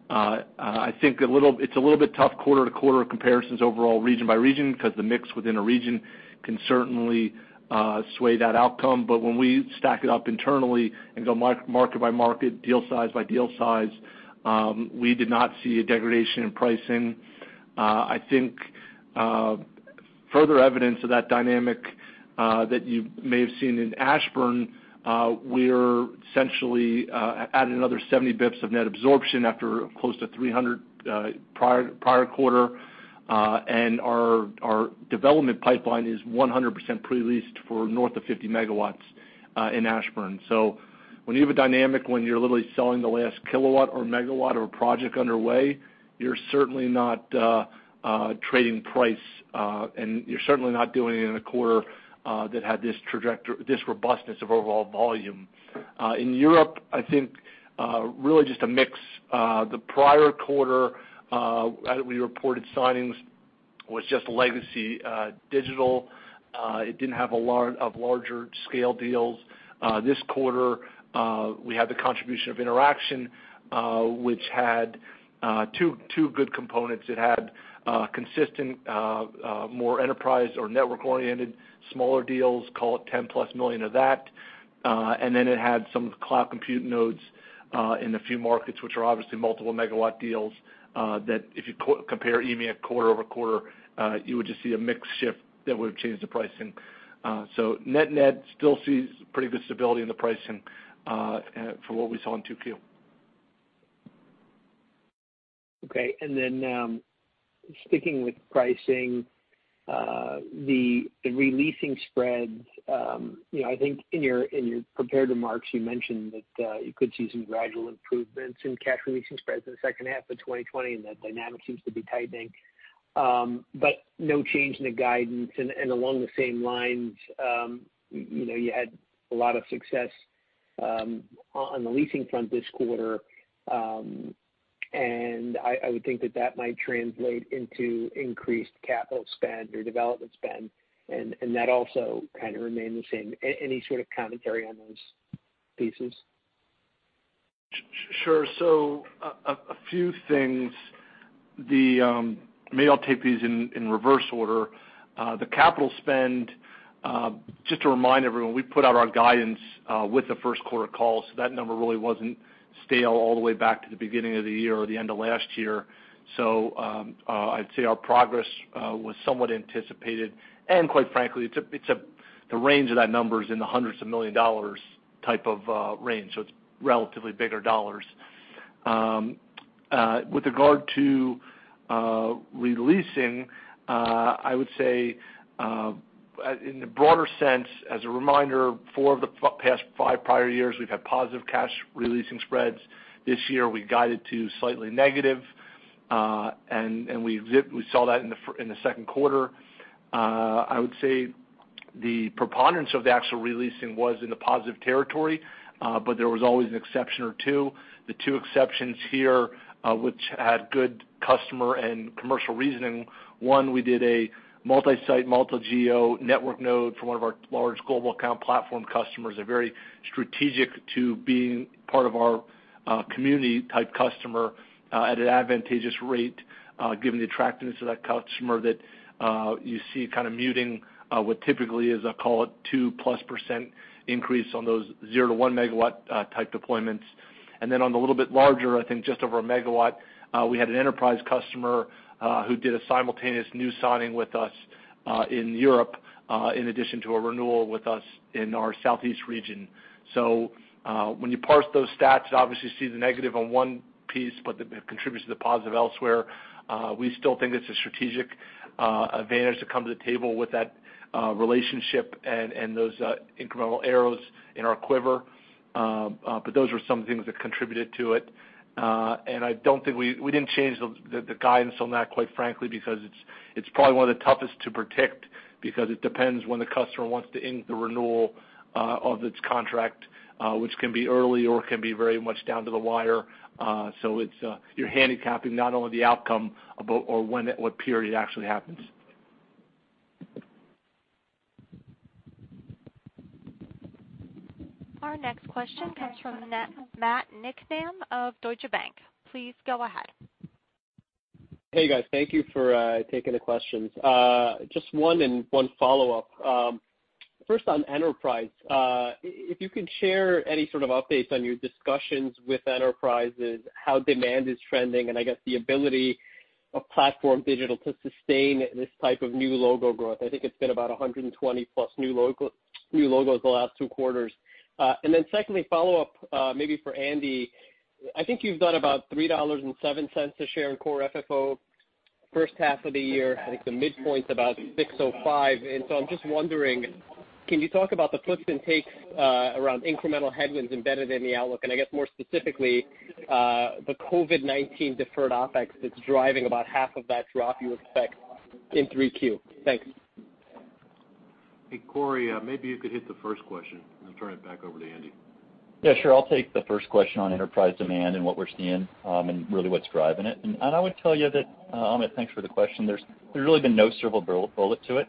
I think it's a little bit tough quarter-to-quarter comparisons overall region by region, because the mix within a region can certainly sway that outcome. When we stack it up internally and go market by market, deal size by deal size, we did not see a degradation in pricing. I think further evidence of that dynamic that you may have seen in Ashburn, we're essentially at another 70 basis points of net absorption after close to 300 prior quarter. Our development pipeline is 100% pre-leased for north of 50 MW in Ashburn. When you have a dynamic when you're literally selling the last kilowatt or megawatt or project underway, you're certainly not trading price, and you're certainly not doing it in a quarter that had this robustness of overall volume. In Europe, I think really just a mix. The prior quarter, we reported signings was just legacy Digital. It didn't have a lot of larger scale deals. This quarter, we had the contribution of Interxion, which had two good components. It had consistent, more enterprise or network-oriented, smaller deals, call it 10-plus million of that. It had some cloud compute nodes in a few markets, which are obviously multiple megawatt deals, that if you compare EMEA quarter-over-quarter, you would just see a mix shift that would have changed the pricing. Net-net still sees pretty good stability in the pricing, from what we saw in 2Q. Sticking with pricing, the re-leasing spreads. I think in your prepared remarks, you mentioned that you could see some gradual improvements in cash re-leasing spreads in the second half of 2020, and that dynamic seems to be tightening. No change in the guidance. Along the same lines, you had a lot of success on the leasing front this quarter. I would think that that might translate into increased capital spend or development spend, and that also kind of remained the same. Any sort of commentary on those pieces? Sure. A few things. Maybe I'll take these in reverse order. The capital spend, just to remind everyone, we put out our guidance with the first quarter call, that number really wasn't stale all the way back to the beginning of the year or the end of last year. I'd say our progress was somewhat anticipated. Quite frankly, the range of that number is in the hundreds of million dollars type of range, it's relatively bigger dollars. With regard to re-leasing, I would say, in the broader sense, as a reminder, four of the past five prior years, we've had positive cash re-leasing spreads. This year we guided to slightly negative, we saw that in the second quarter. I would say the preponderance of the actual re-leasing was in the positive territory, there was always an exception or two. The two exceptions here, which had good customer and commercial reasoning, one, we did a multi-site, multi-geo network node for one of our large global account platform customers, a very strategic to being part of our community-type customer, at an advantageous rate, given the attractiveness of that customer that you see kind of muting what typically is, I'll call it, 2% plus increase on those 0 to 1 megawatt type deployments. On the little bit larger, I think just over a megawatt, we had an enterprise customer who did a simultaneous new signing with us in Europe, in addition to a renewal with us in our Southeast region. When you parse those stats, you obviously see the negative on one piece, but it contributes to the positive elsewhere. We still think it's a strategic advantage to come to the table with that relationship and those incremental arrows in our quiver. Those were some things that contributed to it. We didn't change the guidance on that, quite frankly, because it's probably one of the toughest to predict, because it depends when the customer wants to ink the renewal of its contract, which can be early or can be very much down to the wire. You're handicapping not only the outcome, but when, what period it actually happens. Our next question comes from Matt Niknam of Deutsche Bank. Please go ahead. Hey, guys. Thank you for taking the questions. Just one and one follow-up. First on enterprise. If you can share any sort of updates on your discussions with enterprises, how demand is trending, and I guess the ability of PlatformDIGITAL to sustain this type of new logo growth. I think it's been about 120 plus new logos the last two quarters. Then secondly, follow-up maybe for Andy. I think you've done about $3.07 a share in core FFO first half of the year. I think the midpoint's about $6.05. I'm just wondering, can you talk about the puts and takes around incremental headwinds embedded in the outlook? I guess more specifically, the COVID-19 deferred OpEx that's driving about half of that drop you expect in 3Q. Thanks. Hey, Corey, maybe you could hit the first question, and I'll turn it back over to Andy. Yeah, sure. I'll take the first question on enterprise demand and what we're seeing, and really what's driving it. I would tell you that, [matt], thanks for the question, there's really been no silver bullet to it.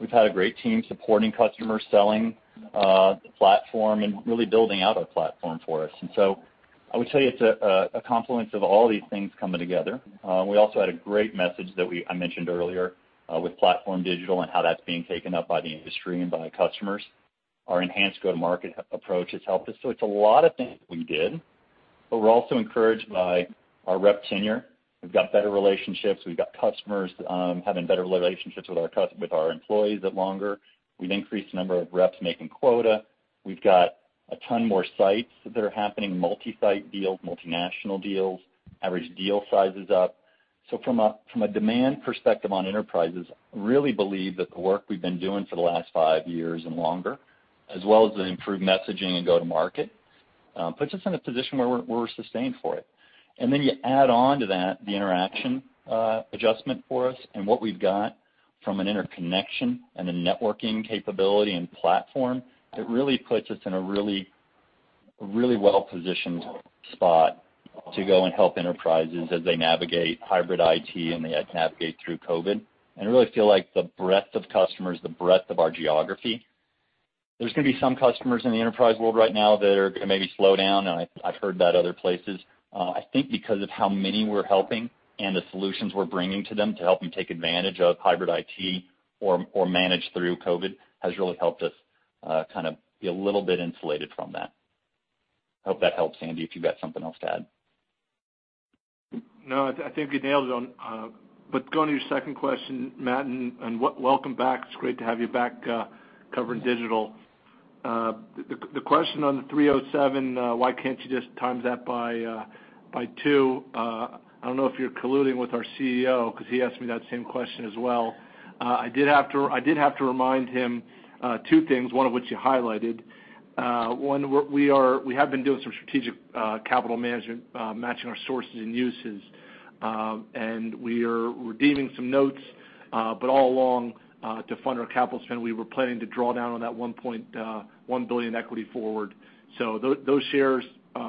We've had a great team supporting customers, selling the platform, and really building out our platform for us. I would tell you it's a confluence of all these things coming together. We also had a great message that I mentioned earlier, with PlatformDIGITAL and how that's being taken up by the industry and by customers. Our enhanced go-to-market approach has helped us. It's a lot of things we did, but we're also encouraged by our rep tenure. We've got better relationships. We've got customers having better relationships with our employees that longer. We've increased the number of reps making quota. We've got a ton more sites that are happening, multi-site deals, multinational deals. Average deal size is up. From a demand perspective on enterprises, really believe that the work we've been doing for the last five years and longer, as well as the improved messaging and go to market, puts us in a position where we're sustained for it. Then you add on to that the Interxion adjustment for us and what we've got from an interconnection and a networking capability and platform, it really puts us in a really well-positioned spot to go and help enterprises as they navigate hybrid IT and they navigate through COVID-19. I really feel like the breadth of customers, the breadth of our geography, there's going to be some customers in the enterprise world right now that are going to maybe slow down, and I've heard that other places. I think because of how many we're helping and the solutions we're bringing to them to help them take advantage of hybrid IT or manage through COVID, has really helped us be a little bit insulated from that. I hope that helps, Andy, if you've got something else to add. No, I think you nailed it on. Going to your second question, Matt, and welcome back. It's great to have you back covering Digital Realty. The question on the 3.07, why can't you just times that by two? I don't know if you're colluding with our CEO, because he asked me that same question as well. I did have to remind him two things, one of which you highlighted. One, we have been doing some strategic capital management, matching our sources and uses. And we are redeeming some notes, but all along, to fund our capital spend, we were planning to draw down on that $1.1 billion equity forward. Those shares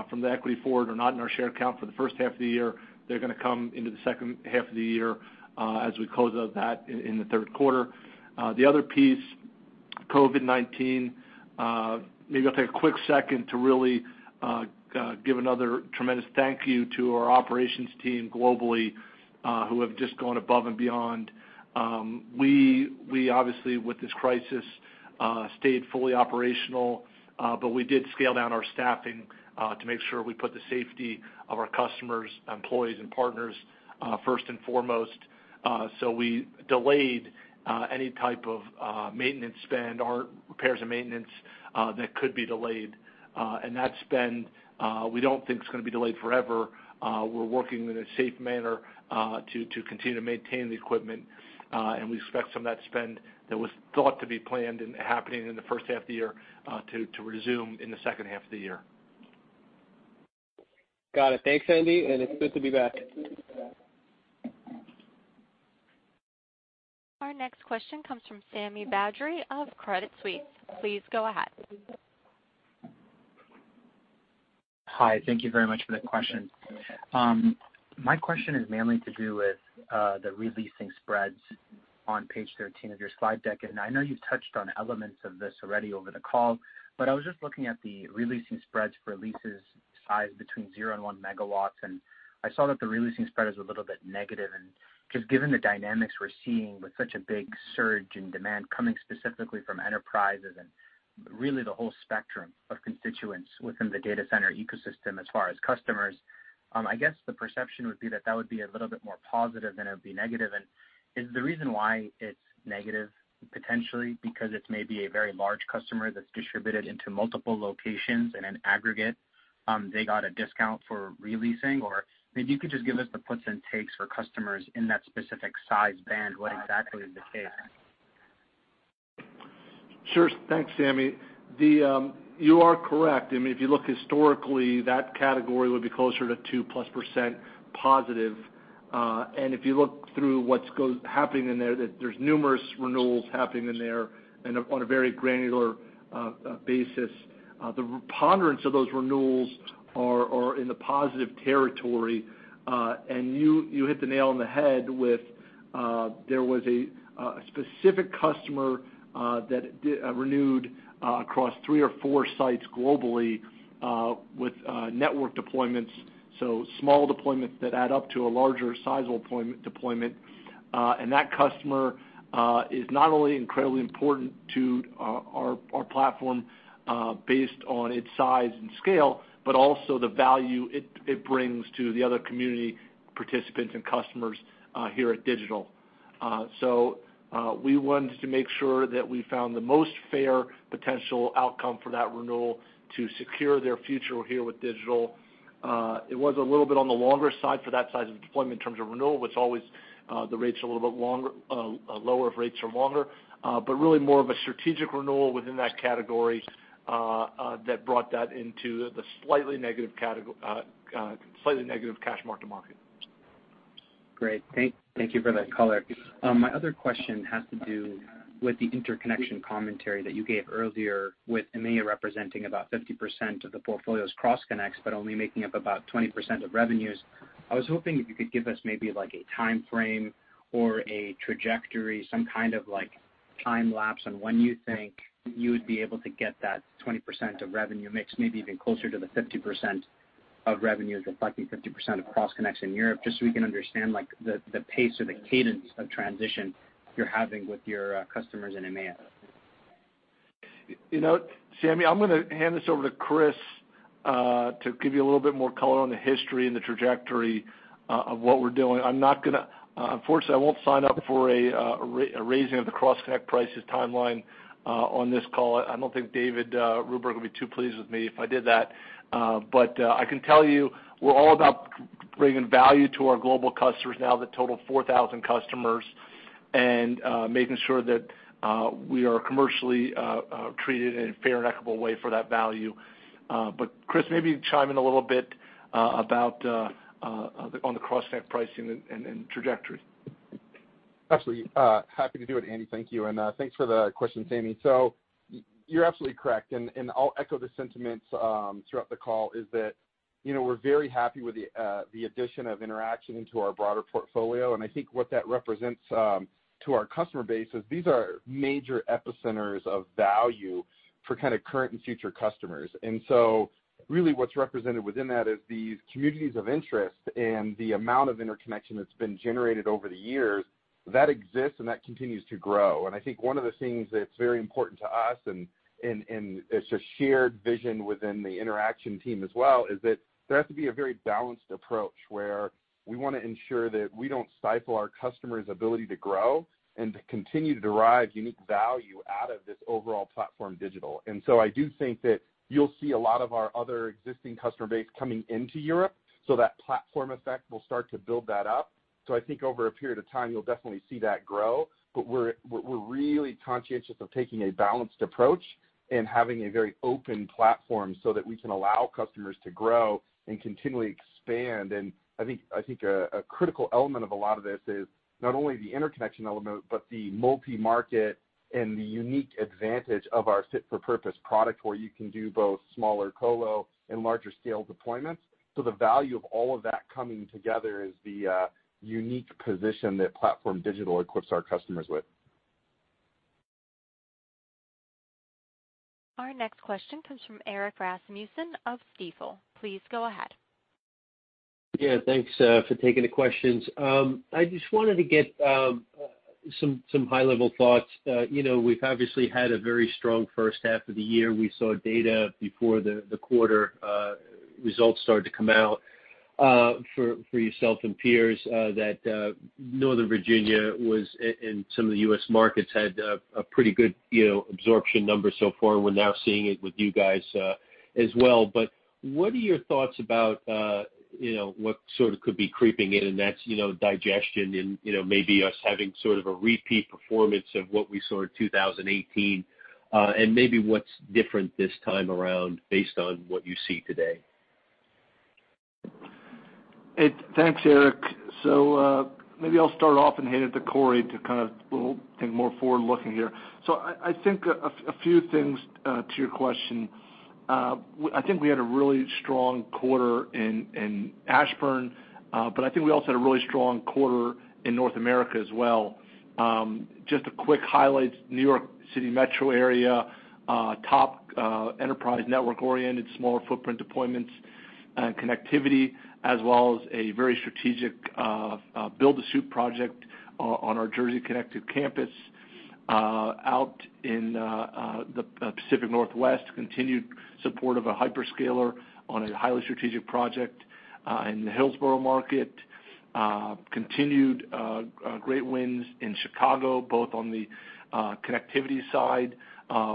from the equity forward are not in our share count for the first half of the year. They're going to come into the second half of the year as we close out that in the third quarter. The other piece, COVID-19, maybe I'll take a quick second to really give another tremendous thank you to our operations team globally, who have just gone above and beyond. We obviously, with this crisis, stayed fully operational, we did scale down our staffing to make sure we put the safety of our customers, employees, and partners first and foremost. We delayed any type of maintenance spend or repairs and maintenance that could be delayed. That spend, we don't think is going to be delayed forever. We're working in a safe manner to continue to maintain the equipment, we expect some of that spend that was thought to be planned and happening in the first half of the year to resume in the second half of the year. Got it. Thanks, Andy, and it's good to be back. Our next question comes from Sami Badri of Credit Suisse. Please go ahead. Hi. Thank you very much for the question. My question is mainly to do with the re-leasing spreads on page 13 of your slide deck. I know you've touched on elements of this already over the call, but I was just looking at the re-leasing spreads for leases sized between zero and one megawatts, and I saw that the re-leasing spread is a little bit negative, and just given the dynamics we're seeing with such a big surge in demand coming specifically from enterprises and really the whole spectrum of constituents within the data center ecosystem as far as customers, I guess the perception would be that that would be a little bit more positive than it would be negative. Is the reason why it's negative potentially because it's maybe a very large customer that's distributed into multiple locations, in an aggregate, they got a discount for re-leasing? Maybe you could just give us the puts and takes for customers in that specific size band. What exactly is the case? Sure. Thanks, Sami. You are correct. If you look historically, that category would be closer to two plus % positive. If you look through what's happening in there's numerous renewals happening in there and on a very granular basis. The preponderance of those renewals are in the positive territory. You hit the nail on the head with, there was a specific customer that renewed across three or four sites globally, with network deployments, so small deployments that add up to a larger sizable deployment. That customer is not only incredibly important to our platform based on its size and scale, but also the value it brings to the other community participants and customers here at Digital. We wanted to make sure that we found the most fair potential outcome for that renewal to secure their future here with Digital. It was a little bit on the longer side for that size of deployment in terms of renewal, which always the rates are a little bit lower if rates are longer. Really more of a strategic renewal within that category that brought that into the slightly negative cash mark to market. Great. Thank you for that color. My other question has to do with the interconnection commentary that you gave earlier with EMEA representing about 50% of the portfolio's cross connects but only making up about 20% of revenues. I was hoping if you could give us maybe a timeframe or a trajectory, some kind of time lapse on when you think you would be able to get that 20% of revenue mix, maybe even closer to the 50% of revenues reflecting 50% of cross connects in Europe, just so we can understand the pace or the cadence of transition you're having with your customers in EMEA. Sami, I'm going to hand this over to Chris to give you a little bit more color on the history and the trajectory of what we're doing. Unfortunately, I won't sign up for a raising of the cross connect prices timeline on this call. I don't think David Ruberg would be too pleased with me if I did that. I can tell you, we're all about bringing value to our global customers now that total 4,000 customers, and making sure that we are commercially treated in a fair and equitable way for that value. Chris, maybe chime in a little bit on the cross connect pricing and trajectory. Absolutely. Happy to do it, Andy. Thank you. Thanks for the question, Sami. You're absolutely correct, and I'll echo the sentiments throughout the call is that we're very happy with the addition of Interxion into our broader portfolio. I think what that represents to our customer base is these are major epicenters of value for current and future customers. Really what's represented within that is these communities of interest and the amount of interconnection that's been generated over the years, that exists and that continues to grow. I think one of the things that's very important to us, and it's a shared vision within the Interxion team as well, is that there has to be a very balanced approach where we want to ensure that we don't stifle our customers' ability to grow and to continue to derive unique value out of this overall platform, Digital. I do think that you'll see a lot of our other existing customer base coming into Europe, so that platform effect will start to build that up. I think over a period of time, you'll definitely see that grow. We're really conscientious of taking a balanced approach and having a very open platform so that we can allow customers to grow and continually expand. I think a critical element of a lot of this is not only the interconnection element, but the multi-market and the unique advantage of our fit-for-purpose product, where you can do both smaller colo and larger scale deployments. The value of all of that coming together is the unique position that PlatformDIGITAL equips our customers with. Our next question comes from Erik Rasmussen of Stifel. Please go ahead. Yeah. Thanks for taking the questions. I just wanted to get some high-level thoughts. We've obviously had a very strong first half of the year. We saw data before the quarter results started to come out for yourself and peers that Northern Virginia was, and some of the U.S. markets had a pretty good absorption number so far. We're now seeing it with you guys as well. What are your thoughts about what could be creeping in, and that's digestion and maybe us having sort of a repeat performance of what we saw in 2018? Maybe what's different this time around based on what you see today? Thanks, Erik. Maybe I'll start off and hand it to Corey to kind of think more forward-looking here. I think a few things to your question. I think we had a really strong quarter in Ashburn, but I think we also had a really strong quarter in North America as well. Just a quick highlight, New York City metro area, top enterprise network-oriented, smaller footprint deployments and connectivity, as well as a very strategic build-to-suit project on our Jersey connective campus. Out in the Pacific Northwest, continued support of a hyperscaler on a highly strategic project in the Hillsboro market. Continued great wins in Chicago, both on the connectivity side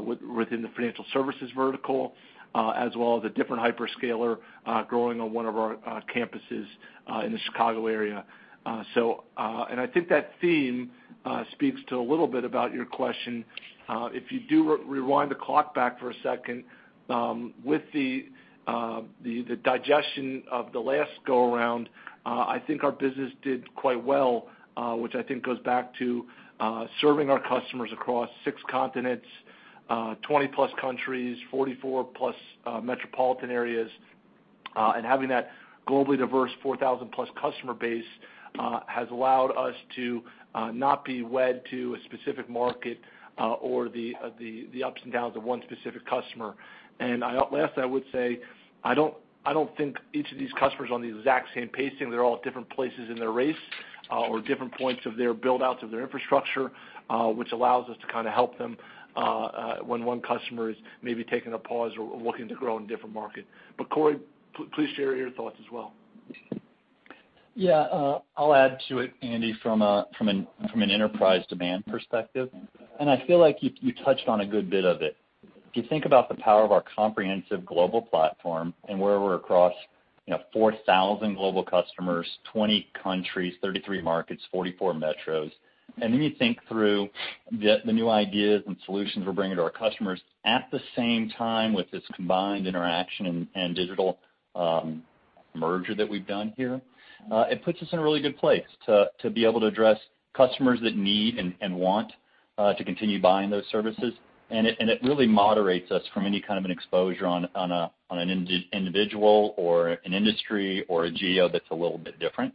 within the financial services vertical, as well as a different hyperscaler growing on one of our campuses in the Chicago area. I think that theme speaks to a little bit about your question. If you do rewind the clock back for a second, with the digestion of the last go-around, I think our business did quite well, which I think goes back to serving our customers across six continents, 20-plus countries, 44-plus metropolitan areas, and having that globally diverse 4,000-plus customer base has allowed us to not be wed to a specific market or the ups and downs of one specific customer. Last, I would say, I don't think each of these customers are on the exact same pacing. They're all at different places in their race or different points of their build-outs of their infrastructure, which allows us to help them when one customer is maybe taking a pause or looking to grow in a different market. Corey, please share your thoughts as well. Yeah. I'll add to it, Andy, from an enterprise demand perspective. I feel like you touched on a good bit of it. If you think about the power of our comprehensive global platform and where we're across 4,000 global customers, 20 countries, 33 markets, 44 metros, you think through the new ideas and solutions we're bringing to our customers at the same time with this combined Interxion and Digital Realty merger that we've done here, it puts us in a really good place to be able to address customers that need and want to continue buying those services. It really moderates us from any kind of an exposure on an individual or an industry or a geo that's a little bit different.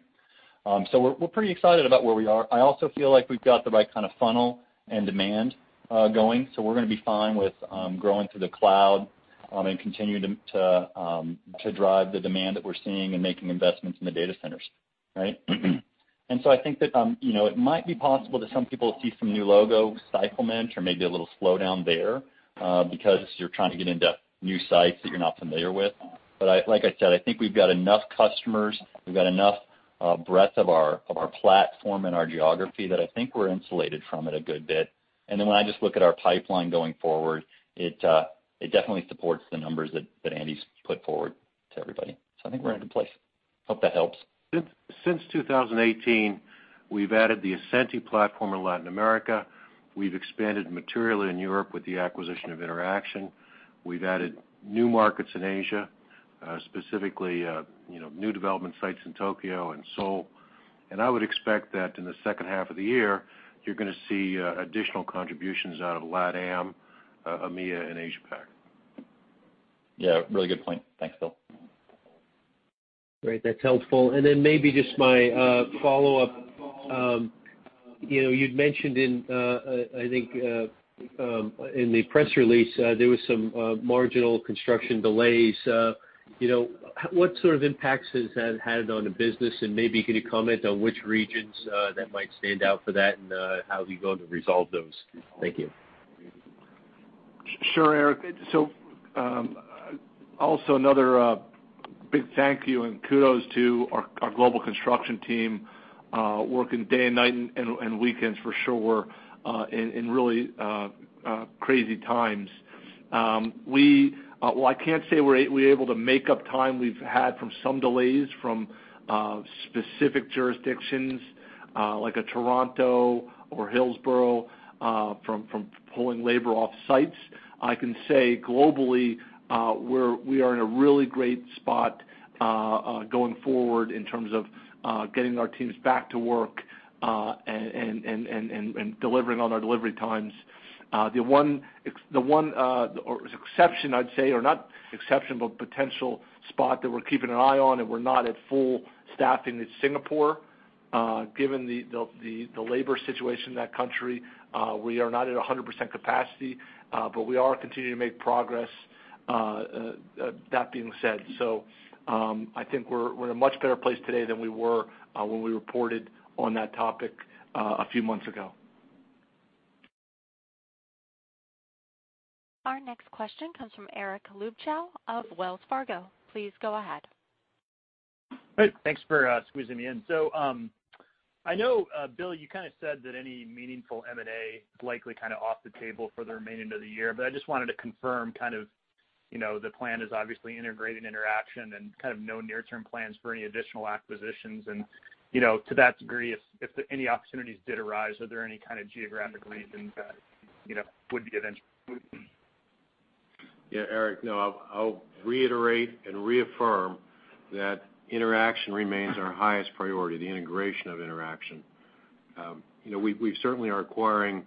We're pretty excited about where we are. I also feel like we've got the right kind of funnel and demand going. We're going to be fine with growing through the cloud and continuing to drive the demand that we're seeing and making investments in the data centers. Right? I think that it might be possible that some people see some new logo cyclicality or maybe a little slowdown there because you're trying to get into new sites that you're not familiar with. Like I said, I think we've got enough customers, we've got enough breadth of our platform and our geography that I think we're insulated from it a good bit. When I just look at our pipeline going forward, it definitely supports the numbers that Andy's put forward to everybody. I think we're in a good place. Hope that helps. Since 2018, we've added the Ascenty platform in Latin America. We've expanded materially in Europe with the acquisition of Interxion. We've added new markets in Asia, specifically new development sites in Tokyo and Seoul. I would expect that in the second half of the year, you're going to see additional contributions out of LATAM, EMEA, and Asia Pac. Yeah, really good point. Thanks, Bill. Great. That's helpful. Maybe just my follow-up. You'd mentioned in the press release, there was some marginal construction delays. What sort of impacts has that had on the business, and maybe could you comment on which regions that might stand out for that and how you go to resolve those? Thank you. Sure, Erik. Also another big thank you and kudos to our global construction team working day and night and weekends for sure in really crazy times. Well, I can't say we're able to make up time we've had from some delays from specific jurisdictions, like a Toronto or Hillsboro, from pulling labor off sites. I can say globally, we are in a really great spot going forward in terms of getting our teams back to work and delivering on our delivery times. The one exception, I'd say, or not exception, but potential spot that we're keeping an eye on and we're not at full staffing is Singapore. Given the labor situation in that country, we are not at 100% capacity, but we are continuing to make progress, that being said. I think we're in a much better place today than we were when we reported on that topic a few months ago. Our next question comes from Eric Luebchow of Wells Fargo. Please go ahead. Hey, thanks for squeezing me in. I know, Bill, you said that any meaningful M&A likely off the table for the remainder of the year, but I just wanted to confirm the plan is obviously integrating Interxion and no near-term plans for any additional acquisitions. To that degree, if any opportunities did arise, are there any kind of geographic regions that would be of interest? Yeah, Eric, no. I'll reiterate and reaffirm that Interxion remains our highest priority, the integration of Interxion. We certainly are acquiring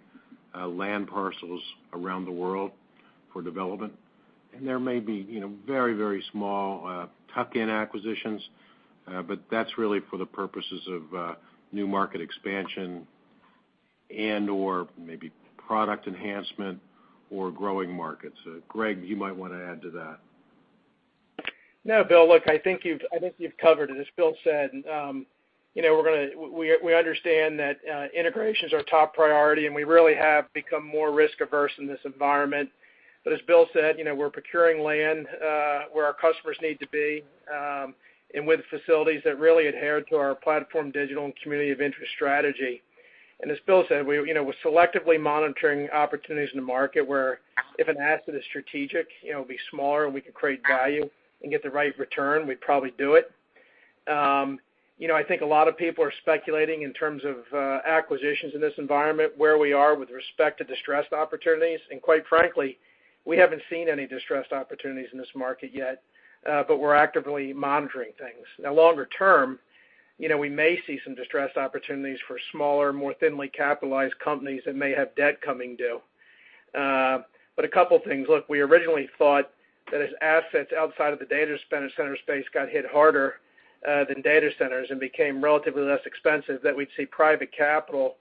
land parcels around the world for development, and there may be very small tuck-in acquisitions, but that's really for the purposes of new market expansion and/or maybe product enhancement or growing markets. Greg, you might want to add to that. No, Bill, look, I think you've covered it. As Bill said, we understand that integration's our top priority, and we really have become more risk averse in this environment. As Bill said, we're procuring land where our customers need to be, and with facilities that really adhere to our PlatformDIGITAL and community of interest strategy. As Bill said, we're selectively monitoring opportunities in the market where if an asset is strategic, it'd be smaller and we could create value and get the right return, we'd probably do it. I think a lot of people are speculating in terms of acquisitions in this environment, where we are with respect to distressed opportunities. Quite frankly, we haven't seen any distressed opportunities in this market yet, but we're actively monitoring things. Longer term, we may see some distressed opportunities for smaller, more thinly capitalized companies that may have debt coming due. A couple of things. We originally thought that as assets outside of the data center space got hit harder than data centers and became relatively less expensive, that we'd see private capital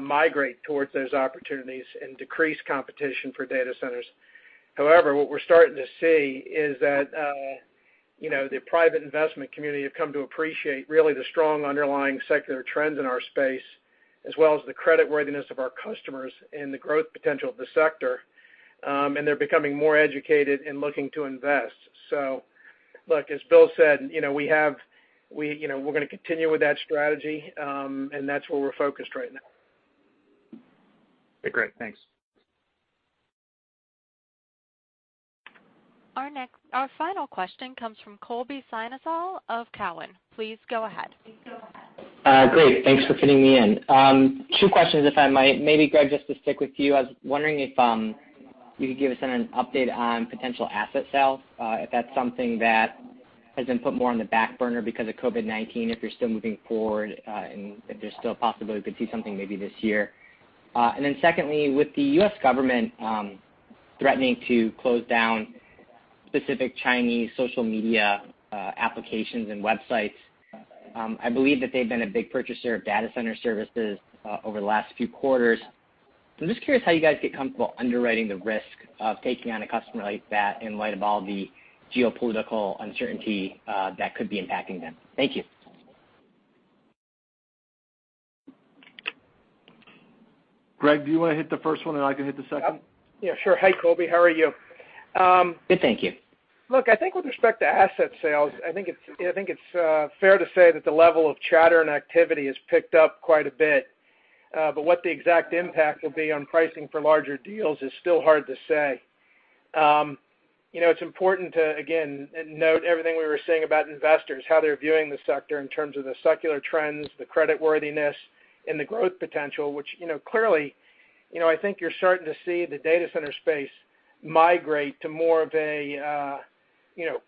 migrate towards those opportunities and decrease competition for data centers. What we're starting to see is that the private investment community have come to appreciate really the strong underlying secular trends in our space, as well as the creditworthiness of our customers and the growth potential of the sector, and they're becoming more educated and looking to invest. As Bill said, we're going to continue with that strategy, and that's where we're focused right now. Great. Thanks. Our final question comes from Colby Synesael of Cowen. Please go ahead. Great. Thanks for fitting me in. Two questions, if I might. Maybe Greg, just to stick with you, I was wondering if you could give us an update on potential asset sales, if that's something that has been put more on the back burner because of COVID-19, if you're still moving forward, and if there's still a possibility we could see something maybe this year. Secondly, with the U.S. government threatening to close down specific Chinese social media applications and websites, I believe that they've been a big purchaser of data center services over the last few quarters. I'm just curious how you guys get comfortable underwriting the risk of taking on a customer like that in light of all the geopolitical uncertainty that could be impacting them. Thank you. Greg, do you want to hit the first one and I can hit the second? Yeah, sure. Hi, Colby. How are you? Good, thank you. Look, I think with respect to asset sales, I think it's fair to say that the level of chatter and activity has picked up quite a bit. What the exact impact will be on pricing for larger deals is still hard to say. It's important to, again, note everything we were saying about investors, how they're viewing the sector in terms of the secular trends, the credit worthiness, and the growth potential, which clearly, I think you're starting to see the data center space migrate to more of a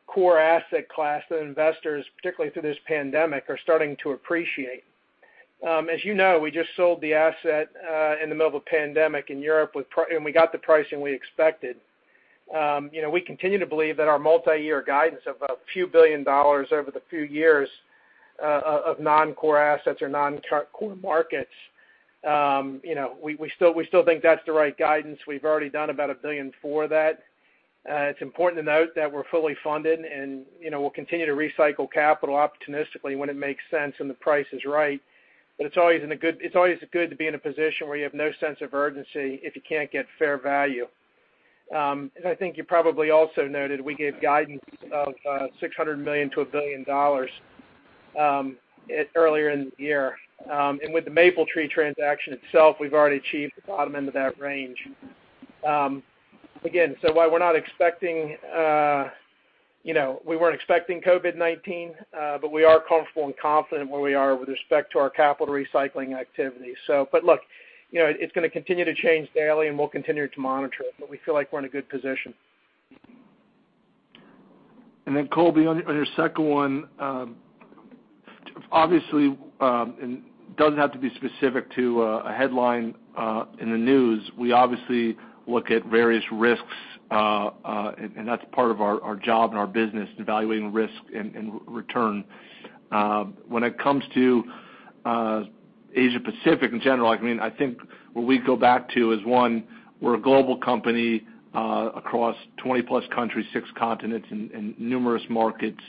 core asset class that investors, particularly through this pandemic, are starting to appreciate. As you know, we just sold the asset in the middle of a pandemic in Europe and we got the pricing we expected. We continue to believe that our multi-year guidance of a few billion dollars over the few years of non-core assets or non-core markets, we still think that's the right guidance. We've already done about $1 billion for that. It's important to note that we're fully funded, and we'll continue to recycle capital opportunistically when it makes sense and the price is right. It's always good to be in a position where you have no sense of urgency if you can't get fair value. I think you probably also noted we gave guidance of $600 million-$1 billion dollars earlier in the year. With the Mapletree transaction itself, we've already achieved the bottom end of that range. While we weren't expecting COVID-19, but we are comfortable and confident where we are with respect to our capital recycling activity. Look, it's going to continue to change daily, and we'll continue to monitor it, but we feel like we're in a good position. Colby, on your second one, obviously, it doesn't have to be specific to a headline in the news, we obviously look at various risks, and that's part of our job and our business, evaluating risk and return. When it comes to Asia Pacific in general, I think what we go back to is, one, we're a global company across 20-plus countries, six continents, and numerous markets,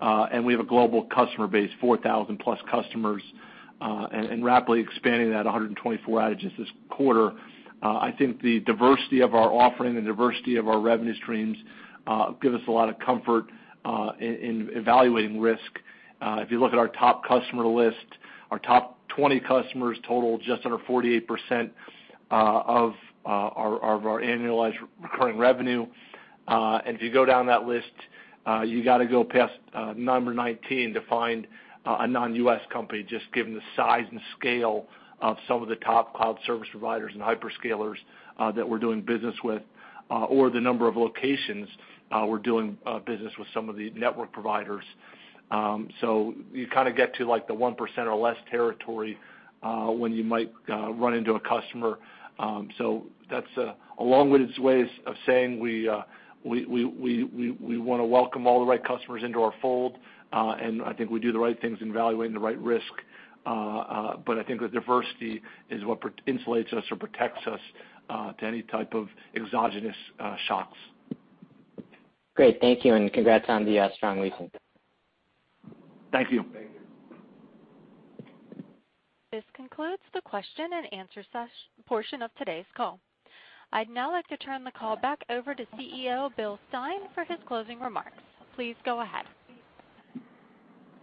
and we have a global customer base, 4,000-plus customers, and rapidly expanding to 124 outages this quarter. I think the diversity of our offering and diversity of our revenue streams give us a lot of comfort in evaluating risk. If you look at our top customer list, our top 20 customers total just under 48% of our annualized recurring revenue. If you go down that list, you got to go past number 19 to find a non-U.S. company, just given the size and scale of some of the top cloud service providers and hyperscalers that we're doing business with, or the number of locations we're doing business with some of the network providers. You kind of get to the 1% or less territory, when you might run into a customer. That's a long-winded ways of saying we want to welcome all the right customers into our fold, and I think we do the right things in evaluating the right risk. I think the diversity is what insulates us or protects us to any type of exogenous shocks. Great. Thank you. Congrats on the strong recent. Thank you. This concludes the question and answer portion of today's call. I'd now like to turn the call back over to CEO, Bill Stein, for his closing remarks. Please go ahead.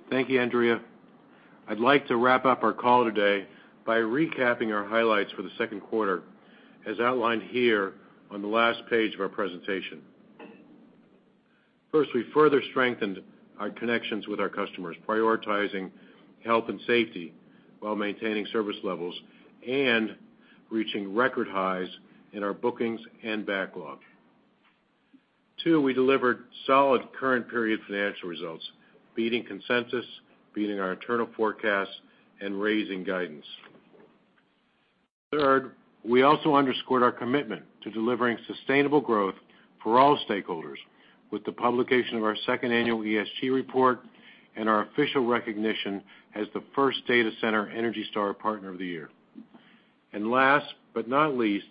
Thank you, Andrea. I'd like to wrap up our call today by recapping our highlights for the second quarter, as outlined here on the last page of our presentation. First, we further strengthened our connections with our customers, prioritizing health and safety while maintaining service levels and reaching record highs in our bookings and backlog. Two, we delivered solid current period financial results, beating consensus, beating our internal forecasts, and raising guidance. Third, we also underscored our commitment to delivering sustainable growth for all stakeholders with the publication of our second annual ESG report and our official recognition as the first data center ENERGY STAR partner of the year. Last but not least,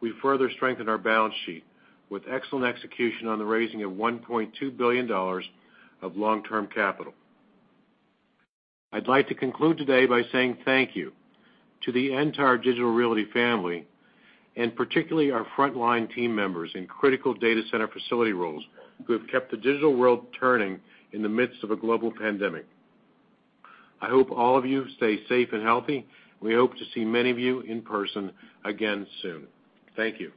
we further strengthened our balance sheet with excellent execution on the raising of $1.2 billion of long-term capital. I'd like to conclude today by saying thank you to the entire Digital Realty family, and particularly our frontline team members in critical data center facility roles who have kept the digital world turning in the midst of a global pandemic. I hope all of you stay safe and healthy. We hope to see many of you in person again soon. Thank you.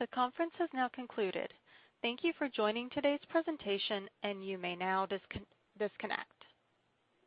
The conference has now concluded. Thank you for joining today's presentation, and you may now disconnect.